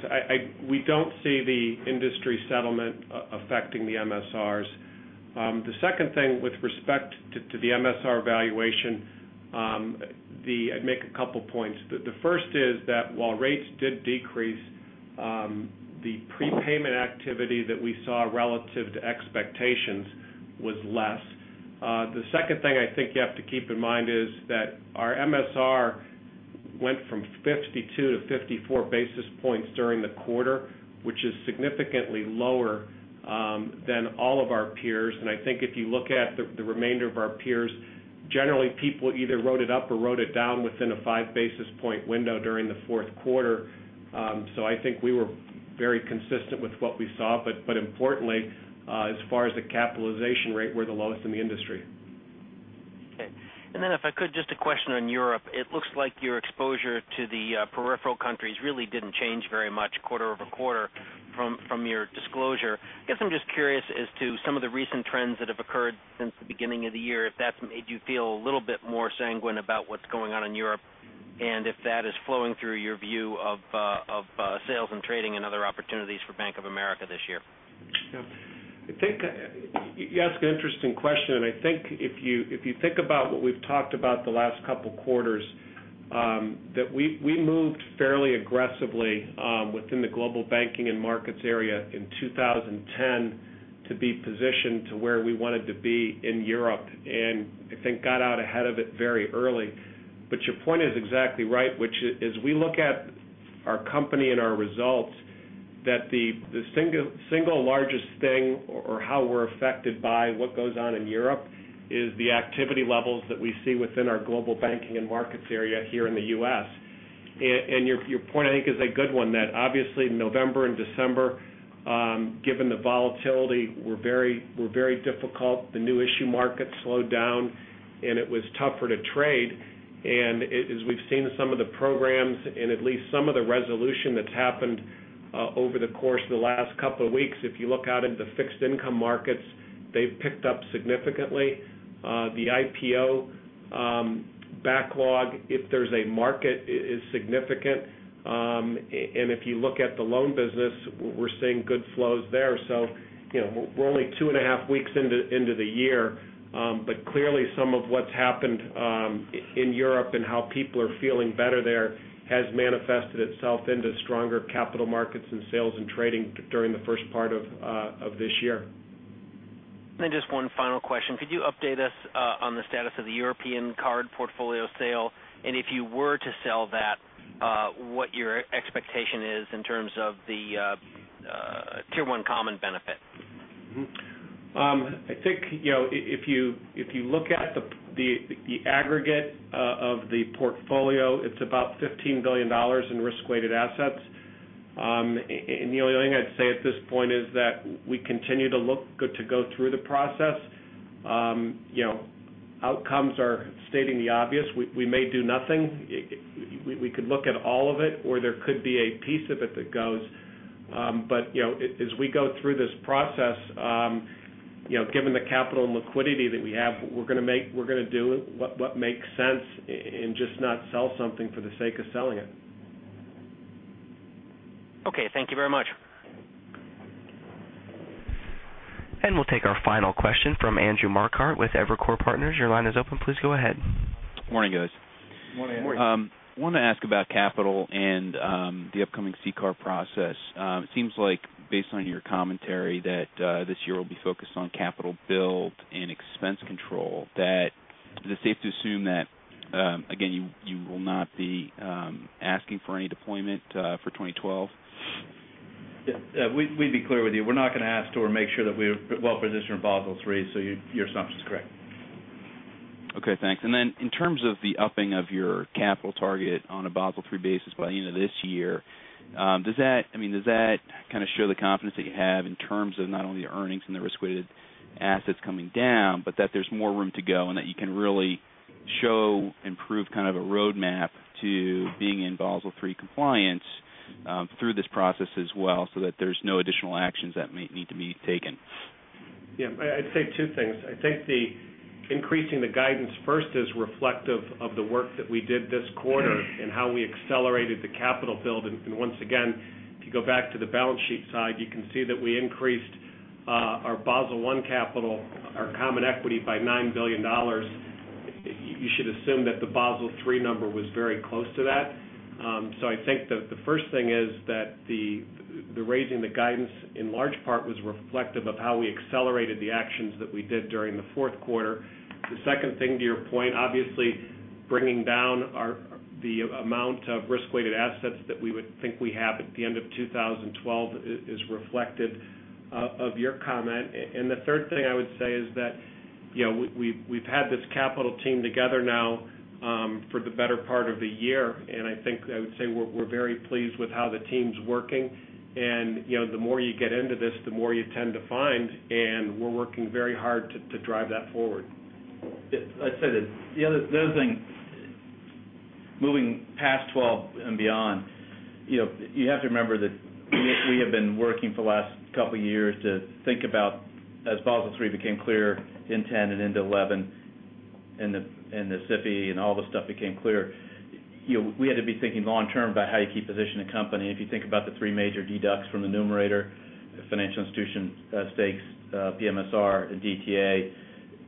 D: We don't see the industry settlement affecting the MSRs. The second thing with respect to the MSR valuation, I'd make a couple of points. The first is that while rates did decrease, the prepayment activity that we saw relative to expectations was less. The second thing I think you have to keep in mind is that our MSR went from 52 basis points to 54 basis points during the quarter, which is significantly lower than all of our peers. If you look at the remainder of our peers, generally people either wrote it up or wrote it down within a 5 basis point window during the fourth quarter. I think we were very consistent with what we saw, but importantly, as far as the capitalization rate, we're the lowest in the industry.
P: Okay. If I could, just a question on Europe. It looks like your exposure to the peripheral countries really didn't change very much, quarter-over-quarter, from your disclosure. I guess I'm just curious as to some of the recent trends that have occurred since the beginning of the year, if that's made you feel a little bit more sanguine about what's going on in Europe and if that is flowing through your view of sales and trading and other opportunities for Bank of America this year.
D: Yeah. I think you asked an interesting question. I think if you think about what we've talked about the last couple of quarters, that we moved fairly aggressively within the Global Banking and Markets area in 2010 to be positioned to where we wanted to be in Europe. I think got out ahead of it very early. Your point is exactly right, which is we look at our company and our results, that the single largest thing or how we're affected by what goes on in Europe is the activity levels that we see within our Global Banking and Markets area here in the U.S. Your point, I think, is a good one that obviously in November and December, given the volatility, were very difficult. The new issue market slowed down and it was tougher to trade. As we've seen some of the programs and at least some of the resolution that's happened over the course of the last couple of weeks, if you look out into the fixed income markets, they've picked up significantly. The IPO backlog, if there's a market, is significant. If you look at the loan business, we're seeing good flows there. We're only 2.5 weeks into the year, but clearly some of what's happened in Europe and how people are feeling better there has manifested itself into stronger capital markets and sales and trading during the first part of this year.
P: Just one final question. Could you update us on the status of the European card portfolio sale? If you were to sell that, what your expectation is in terms of the Tier 1 Common benefit?
D: I think, you know, if you look at the aggregate of the portfolio, it's about $15 billion in risk-weighted assets. The only thing I'd say at this point is that we continue to look good to go through the process. Outcomes are stating the obvious. We may do nothing. We could look at all of it or there could be a piece of it that goes. As we go through this process, given the capital and liquidity that we have, we're going to make what makes sense and just not sell something for the sake of selling it.
P: Okay, thank you very much.
A: We will take our final question from Andrew Marcquardt with Evercore Partners. Your line is open. Please go ahead.
Q: Morning, guys.
C: Morning.
Q: I want to ask about capital and the upcoming CCAR process. It seems like based on your commentary that this year will be focused on capital build and expense control. Is it safe to assume that, again, you will not be asking for any deployment for 2012?
C: Yeah, to be clear with you, we're not going to ask to make sure that we're well positioned in Basel III, so your assumption is correct.
Q: Okay, thanks. In terms of the upping of your capital target on a Basel III basis by the end of this year, does that kind of show the confidence that you have in terms of not only your earnings and the risk-weighted assets coming down, but that there's more room to go and that you can really show and prove kind of a roadmap to being in Basel III compliance through this process as well so that there's no additional actions that might need to be taken?
C: Yeah, I'd say two things. I think increasing the guidance first is reflective of the work that we did this quarter and how we accelerated the capital build. Once again, if you go back to the balance sheet side, you can see that we increased our Basel I capital, our common equity by $9 billion. You should assume that the Basel III number was very close to that. I think that the first thing is that raising the guidance in large part was reflective of how we accelerated the actions that we did during the fourth quarter. The second thing to your point, obviously bringing down the amount of risk-weighted assets that we would think we have at the end of 2012 is reflective of your comment. The third thing I would say is that we've had this capital team together now for the better part of the year. I think I would say we're very pleased with how the team's working. The more you get into this, the more you tend to find. We're working very hard to drive that forward.
D: Yeah, I'd say that the other thing, moving past 12 and beyond, you have to remember that we have been working for the last couple of years to think about, as Basel III became clear, intent and into 11 and the CFP and all the stuff became clear. You know, we had to be thinking long-term about how you keep positioning a company. If you think about the three major deducts from the numerator, financial institutions, stakes, PMSR, and DTA,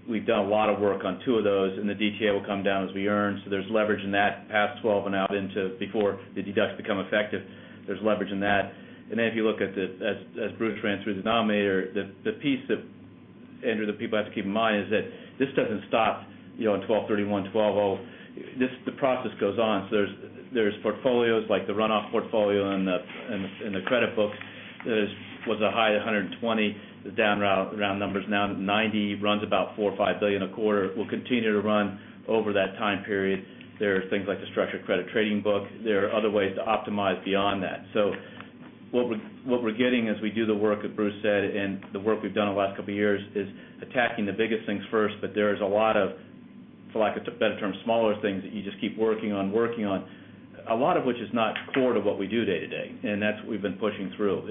D: we've done a lot of work on two of those. The DTA will come down as we earn. There's leverage in that past 12 and out into before the deducts become effective. There's leverage in that. If you look at it as Bruce ran through the denominator, the piece that Andrew, the people have to keep in mind is that this doesn't stop in 12/31/20. The process goes on. There are portfolios like the runoff portfolio and the credit books. There was a high at 120, the down round number is now at 90, runs about $4 billion or $5 billion a quarter, will continue to run over that time period. There are things like the structured credit trading book. There are other ways to optimize beyond that. What we're getting as we do the work that Bruce said and the work we've done in the last couple of years is attacking the biggest things first, but there's a lot of, for lack of a better term, smaller things that you just keep working on, working on. A lot of which is not core to what we do day to day. That's what we've been pushing through.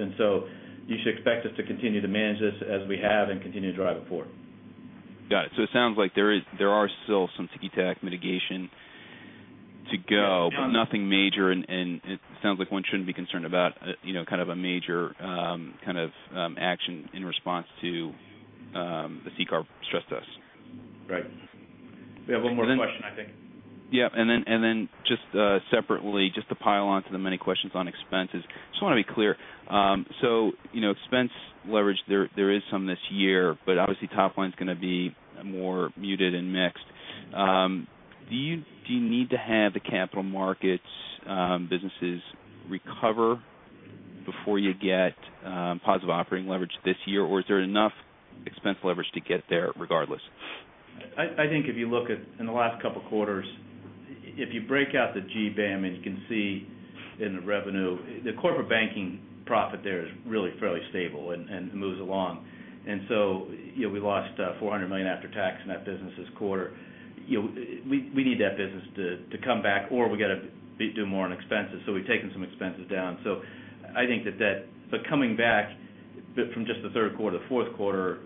D: You should expect us to continue to manage this as we have and continue to drive it forward.
Q: Got it. It sounds like there are still some ticky-tack mitigation to go, but nothing major. It sounds like one shouldn't be concerned about, you know, kind of a major kind of action in response to the CCAR stress test.
C: Right. We have one more question, I think.
Q: Yep. Just to pile onto the many questions on expenses, I just want to be clear. You know, expense leverage, there is some this year, but obviously top line is going to be more muted and mixed. Do you need to have the capital markets businesses recover before you get positive operating leverage this year, or is there enough expense leverage to get there regardless?
C: I think if you look at in the last couple of quarters, if you break out the GBAM and you can see in the revenue, the corporate banking profit there is really fairly stable and moves along. You know, we lost $400 million after tax in that business this quarter. You know, we need that business to come back or we got to do more on expenses. We’ve taken some expenses down. I think that that, but coming back from just the third quarter, the fourth quarter,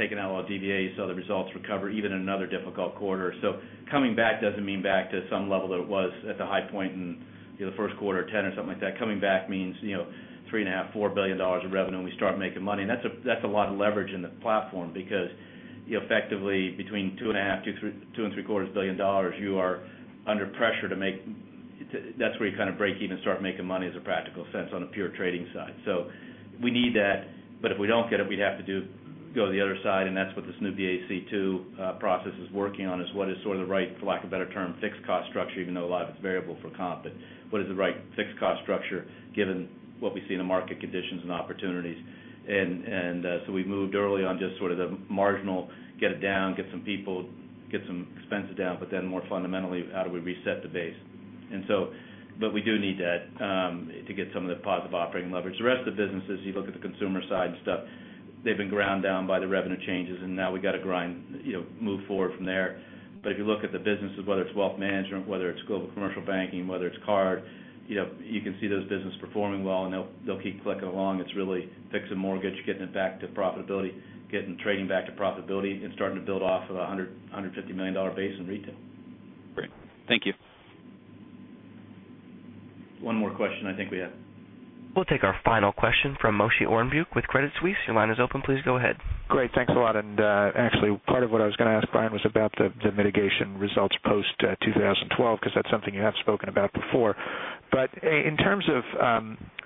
C: taking out all DBA, you saw the results recover even in another difficult quarter. Coming back doesn't mean back to some level that it was at the high point in the first quarter or 10 or something like that. Coming back means, you know, $3.5 billion, $4 billion of revenue and we start making money. That's a lot of leverage in the platform because, you know, effectively between $2.5 billion, $2.75 billion, you are under pressure to make, that's where you kind of break even and start making money as a practical sense on a pure trading side. We need that, but if we don't get it, we'd have to go to the other side. That's what this New BAC2 process is working on is what is sort of the right, for lack of a better term, fixed cost structure, even though a lot of it's variable for comp, but what is the right fixed cost structure given what we see in the market conditions and opportunities. We moved early on just sort of the marginal, get it down, get some people, get some expenses down, but then more fundamentally, how do we reset the base? We do need that to get some of the positive operating leverage. The rest of the businesses, you look at the consumer side and stuff, they've been ground down by the revenue changes and now we got to grind, you know, move forward from there. If you look at the businesses, whether it's Wealth Management, whether it's Global Commercial Banking, whether it's card, you know, you can see those businesses performing well and they'll keep clicking along. It's really fixing mortgage, getting it back to profitability, getting trading back to profitability and starting to build off of a $150 million base in retail.
Q: Great. Thank you.
C: One more question, I think we have.
A: We'll take our final question from Moshe Orenbuch with Credit Suisse. Your line is open. Please go ahead.
R: Great. Thanks a lot. Actually, part of what I was going to ask Brian was about the mitigation results post 2012 because that's something you have spoken about before. In terms of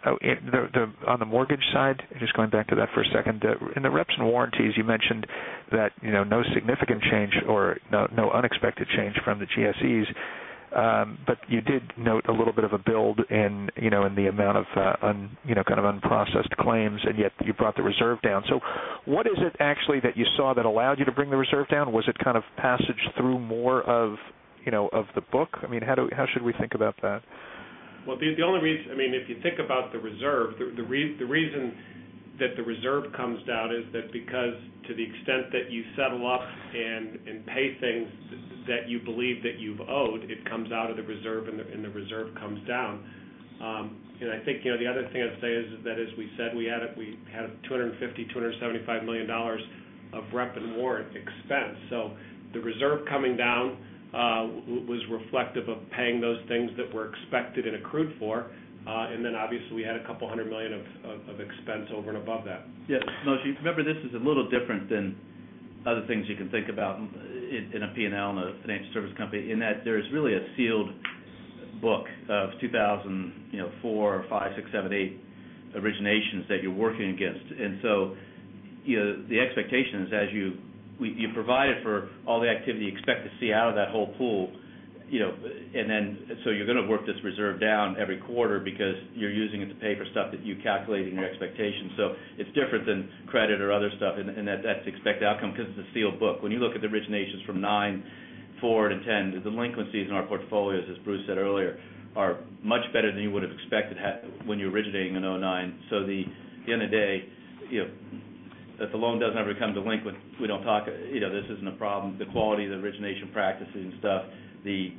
R: on the mortgage side, just going back to that for a second, in the reps and warranties, you mentioned that no significant change or no unexpected change from the GSEs. You did note a little bit of a build in the amount of unprocessed claims, and yet you brought the reserve down. What is it actually that you saw that allowed you to bring the reserve down? Was it kind of passage through more of the book? How should we think about that?
D: If you think about the reserve, the reason that the reserve comes down is that because to the extent that you settle up and pay things that you believe that you've owed, it comes out of the reserve and the reserve comes down. I think the other thing I'd say is that, as we said, we had a $250 million, $275 million of rep and warrant expense. The reserve coming down was reflective of paying those things that were expected and accrued for. Obviously, we had a couple hundred million of expense over and above that. Yeah. Moshe, remember this is a little different than other things you can think about in a P&L and a financial service company in that there is really a sealed book of 2004, 2005, 2006, 2007, 2008 originations that you're working against. The expectation is as you provide it for all the activity you expect to see out of that whole pool, you're going to work this reserve down every quarter because you're using it to pay for stuff that you calculate in your expectations. It's different than credit or other stuff in that that's the expected outcome because it's a sealed book. When you look at the originations from 2009, 2004, and 2010, the delinquencies in our portfolios, as Bruce Thompson said earlier, are much better than you would have expected when you're originating in 2009. At the end of the day, if the loan doesn't ever become delinquent, we don't talk, this isn't a problem. The quality of the origination practices and the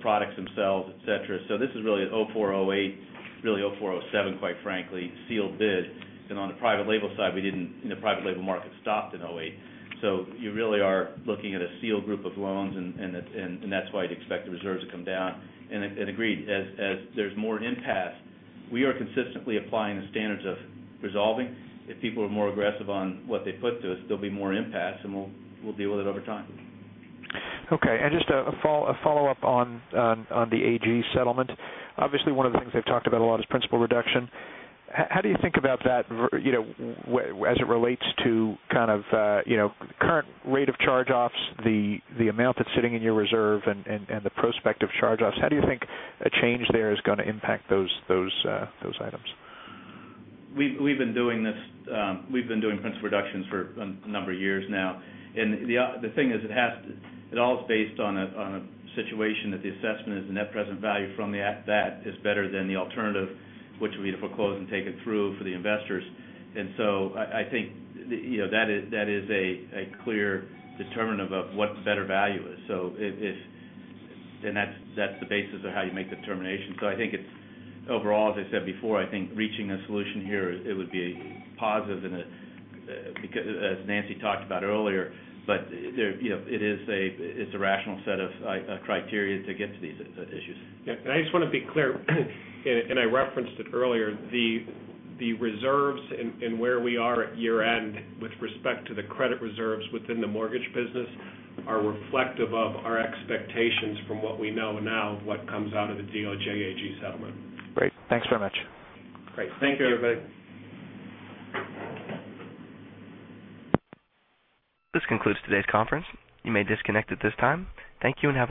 D: products themselves, et cetera. This is really 2004, 2008, really 2004, 2007, quite frankly, sealed bid. On the private label side, the private label market stopped in 2008. You really are looking at a sealed group of loans and that's why you'd expect the reserves to come down. Agreed, as there's more impasse, we are consistently applying a standard of resolving. If people are more aggressive on what they put to us, there'll be more impasse and we'll deal with it over time.
R: Okay. Just a follow-up on the AG settlement. Obviously, one of the things they've talked about a lot is principal reduction. How do you think about that as it relates to current rate of charge-offs, the amount that's sitting in your reserve, and the prospect of charge-offs? How do you think a change there is going to impact those items?
C: We've been doing this, we've been doing principal reductions for a number of years now. The thing is, it all is based on a situation that the assessment is the net present value from that is better than the alternative, which would be to foreclose and take it through for the investors. I think that is a clear determinant of what the better value is, and that's the basis of how you make the determination. I think it's overall, as I said before, I think reaching a solution here would be a positive, because as Nancy talked about earlier, it is a rational set of criteria to get to these issues.
D: I just want to be clear, I referenced it earlier, the reserves and where we are at year-end with respect to the credit reserves within the mortgage business are reflective of our expectations from what we know now of what comes out of the DOJ AG settlement.
R: Great. Thanks very much.
C: Great. Thank you, everybody.
A: This concludes today's conference. You may disconnect at this time. Thank you and have a good day.